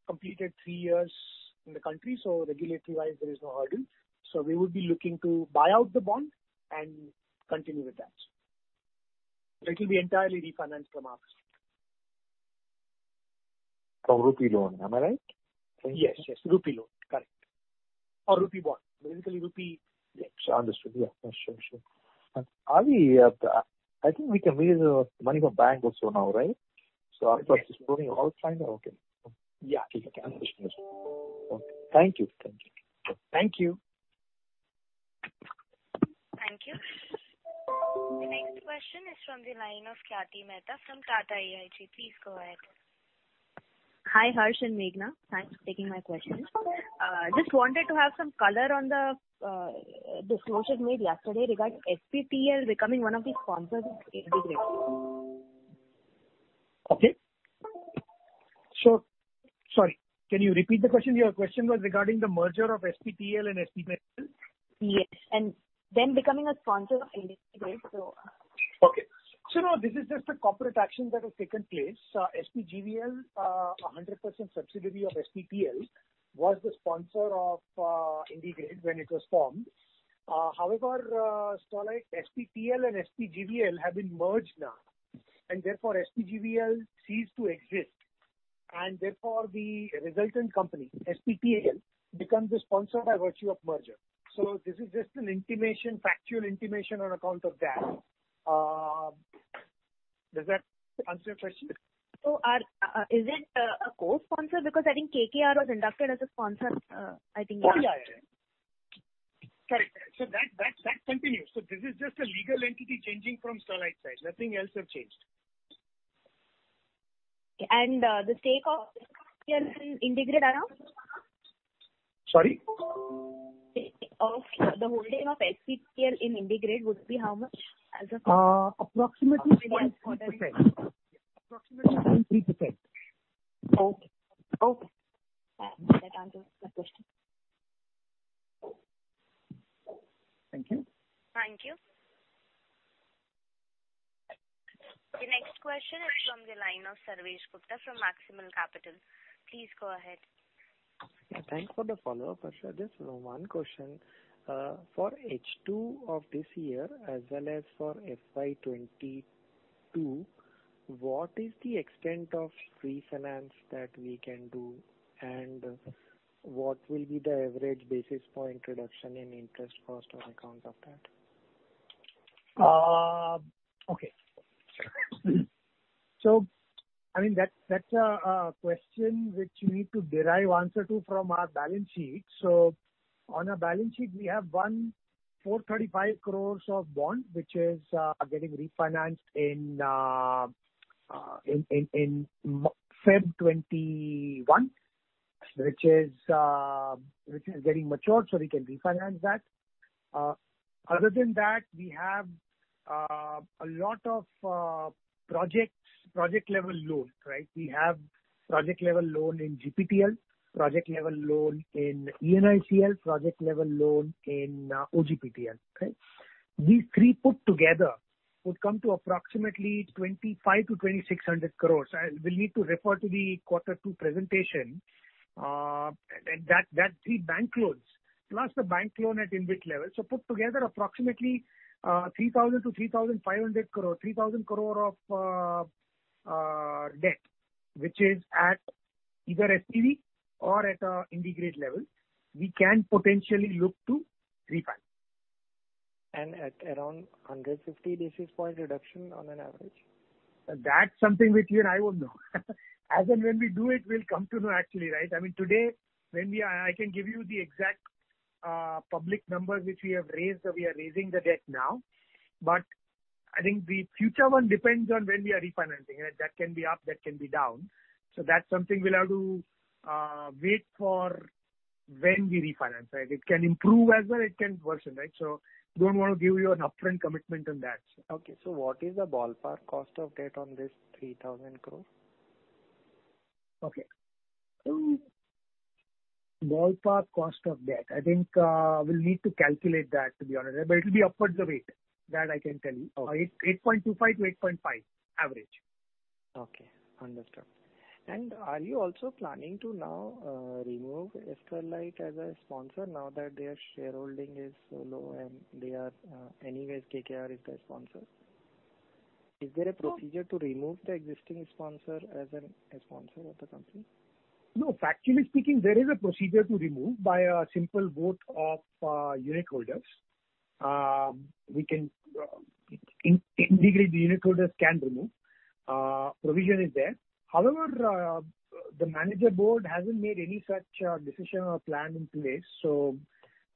completed three years in the country, so regulatory-wise, there is no hurdle. We would be looking to buy out the bond and continue with that. It will be entirely refinanced from our side. From rupee loan, am I right? Yes. Rupee loan. Correct. Or rupee bond. Basically rupee. Yes, understood. Sure. I think we can raise money from bank also now, right? Our project is moving all fine? Okay. Yeah. Okay. Understood. Thank you. Thank you. Thank you. The next question is from the line of Khyati Mehta from TATA AIG. Please go ahead. Hi, Harsh and Meghana. Thanks for taking my questions. Just wanted to have some color on the disclosure made yesterday regarding SPPL becoming one of the sponsors of IndiGrid. Okay. Sorry, can you repeat the question? Your question was regarding the merger of SPPL and SPGVL? Yes, then becoming a sponsor of IndiGrid. Okay. No, this is just a corporate action that has taken place. SPGVL, a 100% subsidiary of SPPL, was the sponsor of IndiGrid when it was formed. However, Sterlite, SPPL and SPGVL have been merged now, therefore SPGVL ceased to exist. Therefore, the resultant company, SPPL, becomes the sponsor by virtue of merger. This is just a factual intimation on account of that. Does that answer your question? Is it a co-sponsor because I think KKR was inducted as a sponsor, I think? Yeah. Sorry. That continues. This is just a legal entity changing from Sterlite side. Nothing else have changed. The stake of SPPL in IndiGrid around? Sorry. The holding of SPPL in IndiGrid would be how much as of now? Approximately 23%. Okay. Okay. That answers my question. Thank you. Thank you. The next question is from the line of Sarvesh Gupta from Maximal Capital. Please go ahead. Thanks for the follow-up, Harsh. Just one question. For H2 of this year, as well as for FY 2022, what is the extent of refinance that we can do, and what will be the average basis for introduction in interest cost on account of that? Okay. That's a question which you need to derive answer to from our balance sheet. On our balance sheet, we have 1,435 crore of bond, which is getting refinanced in February 2021. Which is getting matured, we can refinance that. Other than that, we have a lot of project-level loans. We have project-level loan in GPTL, project-level loan in ENICL, project-level loan in OGPTL. These three put together would come to approximately 2,500-2,600 crore. We will need to refer to the Quarter Two presentation. That three bank loans, plus the bank loan at IndiGrid level. Put together approximately 3,000-3,500 crore, 3,000 crore of debt, which is at either SPV or at an IndiGrid level, we can potentially look to refinance. At around 150 basis points reduction on an average. That's something which you and I won't know. As and when we do it, we'll come to know actually. I mean, today, I can give you the exact public number which we have raised, that we are raising the debt now. I think the future one depends on when we are refinancing. That can be up, that can be down. That's something we'll have to wait for when we refinance. It can improve as well, it can worsen. Don't want to give you an upfront commitment on that. Okay, what is the ballpark cost of debt on this 3,000 crore? Okay. Ballpark cost of debt. I think we'll need to calculate that, to be honest with you. It'll be upwards of eight. That I can tell you. Okay. 8.25-8.5 average. Okay, understood. Are you also planning to now remove Sterlite as a sponsor now that their shareholding is so low and anyways KKR is the sponsor? Is there a procedure to remove the existing sponsor as a sponsor of the company? No, factually speaking, there is a procedure to remove by a simple vote of unit holders. IndiGrid, the unit holders can remove. Provision is there. The manager board hasn't made any such decision or plan in place, so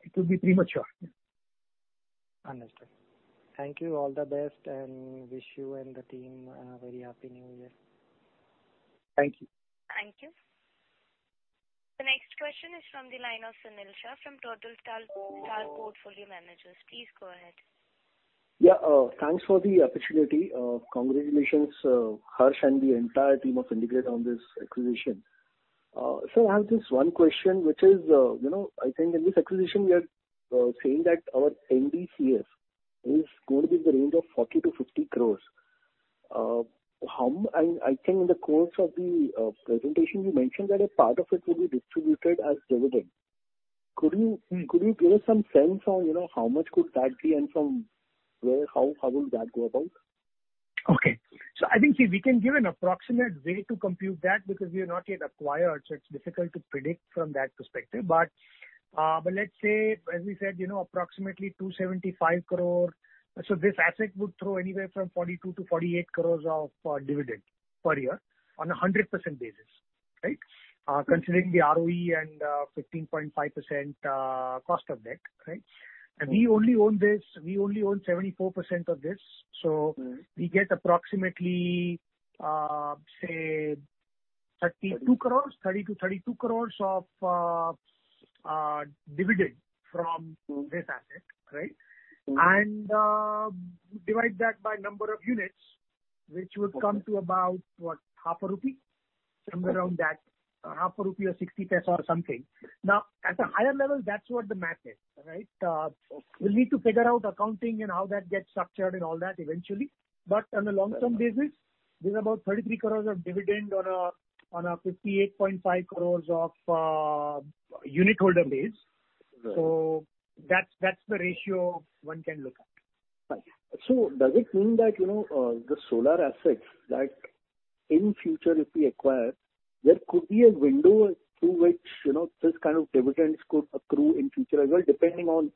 it would be premature. Understood. Thank you. All the best, and wish you and the team a very happy new year. Thank you. Thank you. The next question is from the line of Sunil Shah from Turtle Star Portfolio Managers. Please go ahead. Yeah. Thanks for the opportunity. Congratulations, Harsh and the entire team of IndiGrid on this acquisition. I have this one question, which is, I think in this acquisition, we are saying that our NDCF is going to be in the range of 40 crore-50 crore. I think in the course of the presentation, you mentioned that a part of it will be distributed as dividend. Could you give us some sense on how much could that be and how will that go about? Okay. I think we can give an approximate way to compute that because we have not yet acquired, it's difficult to predict from that perspective. Let's say, as we said, approximately 275 crore. This asset would throw anywhere from 42 crore-48 crore of dividend per year on a 100% basis. Considering the ROE and 15.5% cost of debt. We only own 74% of this, so we get approximately, say 32 crore, 30 crore to 32 crore of dividend from this asset, right? Divide that by number of units, which would come to about what? Half a rupee, somewhere around that. Half a rupee or 0.60 or something. At a higher level, that's what the math is. Right? We'll need to figure out accounting and how that gets structured and all that eventually. On a long-term basis, there's about 33 crores of dividend on a 58.5 crores of unitholder base. Right. That's the ratio one can look at. Does it mean that the solar assets that in future if we acquire, there could be a window through which, this kind of dividends could accrue in future as well, depending on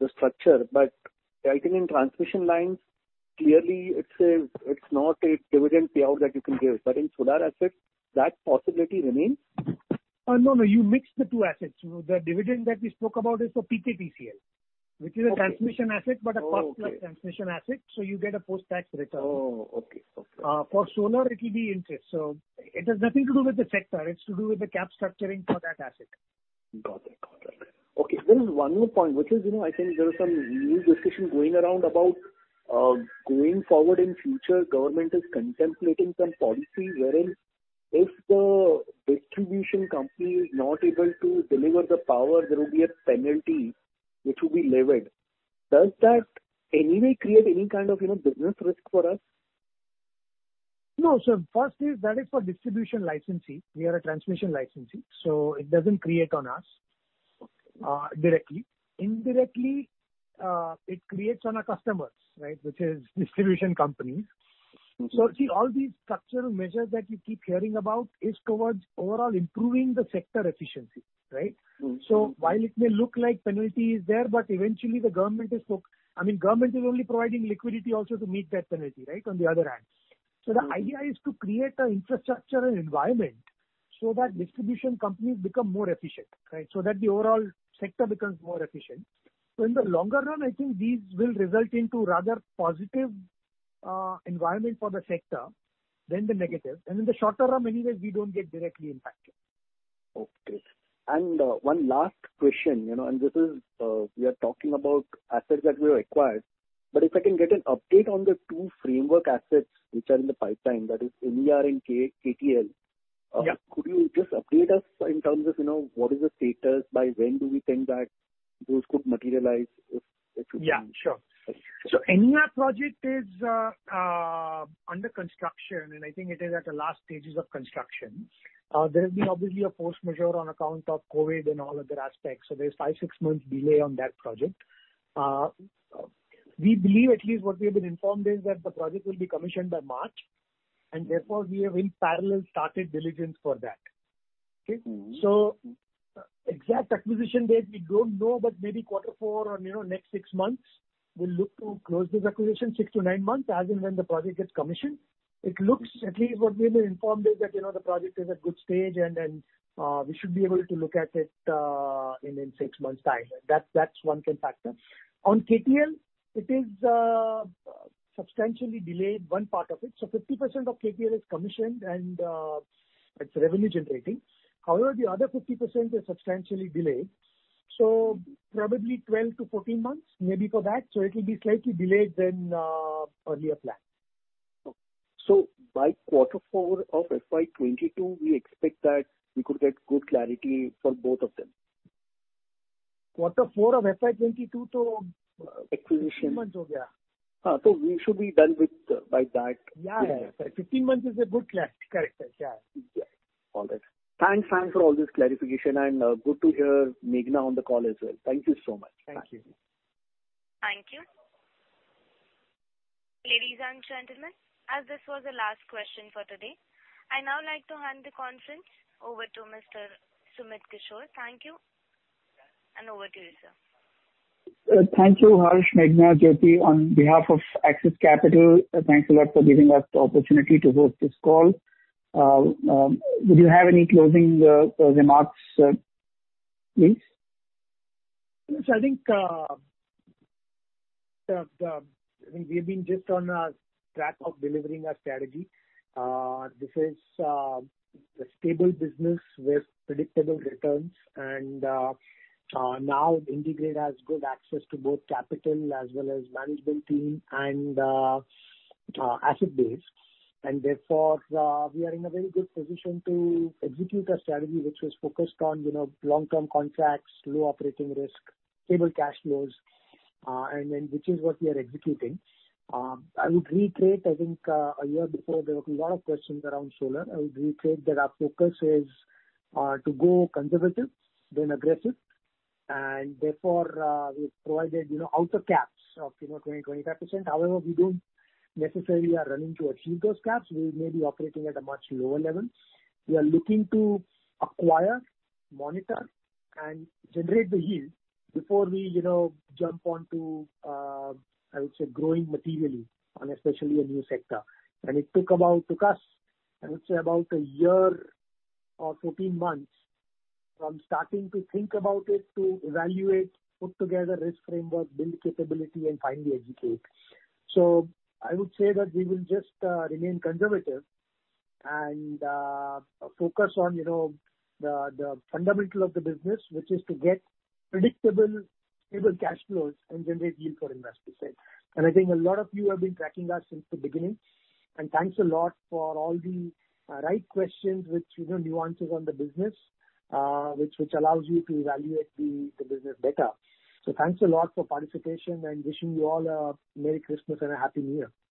the structure. I think in transmission lines, clearly it's not a dividend payout that you can give. In solar assets, that possibility remains. No, you mixed the two assets. The dividend that we spoke about is for PKTCL, which is a transmission asset, but a cost-plus transmission asset, so you get a post-tax return. Oh, okay. For solar, it will be interest. It has nothing to do with the sector. It's to do with the cap structuring for that asset. Got it. Okay. There is one more point, which is, I think there are some new discussion going around about going forward in future, government is contemplating some policy wherein if the distribution company is not able to deliver the power, there will be a penalty which will be levied. Does that anyway create any kind of business risk for us? No. First is, that is for distribution licensee. We are a transmission licensee, so it doesn't create on us directly. Indirectly, it creates on our customers, which is distribution companies. See, all these structural measures that you keep hearing about is towards overall improving the sector efficiency. Right? While it may look like penalty is there, but eventually the government is I mean, government is only providing liquidity also to meet that penalty, on the other hand. The idea is to create an infrastructural environment so that distribution companies become more efficient. That the overall sector becomes more efficient. In the longer run, I think these will result into rather positive environment for the sector than the negative. In the shorter term, anyways, we don't get directly impacted. Okay. One last question, and this is, we are talking about assets that we have acquired, but if I can get an update on the two framework assets which are in the pipeline, that is NER and KTL. Yeah. Could you just update us in terms of what is the status? By when do we think that those could materialize if it should be? Yeah, sure. NER project is under construction, I think it is at the last stages of construction. There has been obviously a post measure on account of COVID and all other aspects, there's five, six months delay on that project. We believe, at least what we have been informed is that the project will be commissioned by March, therefore, we have in parallel started diligence for that. Okay. Exact acquisition date, we don't know, but maybe Q4 or next six months, we'll look to close this acquisition six to nine months as and when the project gets commissioned. It looks, at least what we've been informed is that the project is at good stage, we should be able to look at it in six months' time. That's one can factor. On KTL, it is substantially delayed, one part of it. 50% of KTL is commissioned and it's revenue generating. However, the other 50% is substantially delayed, probably 12 to 14 months maybe for that. It will be slightly delayed than earlier planned. By quarter four of FY 2022, we expect that we could get good clarity for both of them. Quarter four of FY 2022. Acquisition. 15 months. We should be done with. Yeah. 15 months is a good clash. Correct. Yeah. All right. Thanks for all this clarification, and good to hear Meghana on the call as well. Thank you so much. Thank you. Thank you. Ladies and gentlemen, as this was the last question for today, I now like to hand the conference over to Mr. Sumit Kishore. Thank you. Over to you, sir. Thank you, Harsh, Meghana, Jyoti. On behalf of Axis Capital, thanks a lot for giving us the opportunity to host this call. Do you have any closing remarks, please? Yes, I think, we've been just on a track of delivering our strategy. This is a stable business with predictable returns. Now IndiGrid has good access to both capital as well as management team and asset base. Therefore, we are in a very good position to execute our strategy, which was focused on long-term contracts, low operating risk, stable cash flows, which is what we are executing. I would reiterate, I think a year before, there were a lot of questions around solar. I would reiterate that our focus is to go conservative, then aggressive, and therefore we've provided outer caps of 20%-25%. However, we don't necessarily are running to achieve those caps. We may be operating at a much lower level. We are looking to acquire, monitor, and generate the yield before we jump onto, I would say, growing materially on especially a new sector. It took us, I would say about a year or 14 months from starting to think about it, to evaluate, put together risk framework, build capability, and finally execute. I would say that we will just remain conservative and focus on the fundamental of the business, which is to get predictable, stable cash flows and generate yield for investors. I think a lot of you have been tracking us since the beginning. Thanks a lot for all the right questions which nuances on the business, which allows you to evaluate the business better. Thanks a lot for participation, and wishing you all a Merry Christmas and a Happy New Year.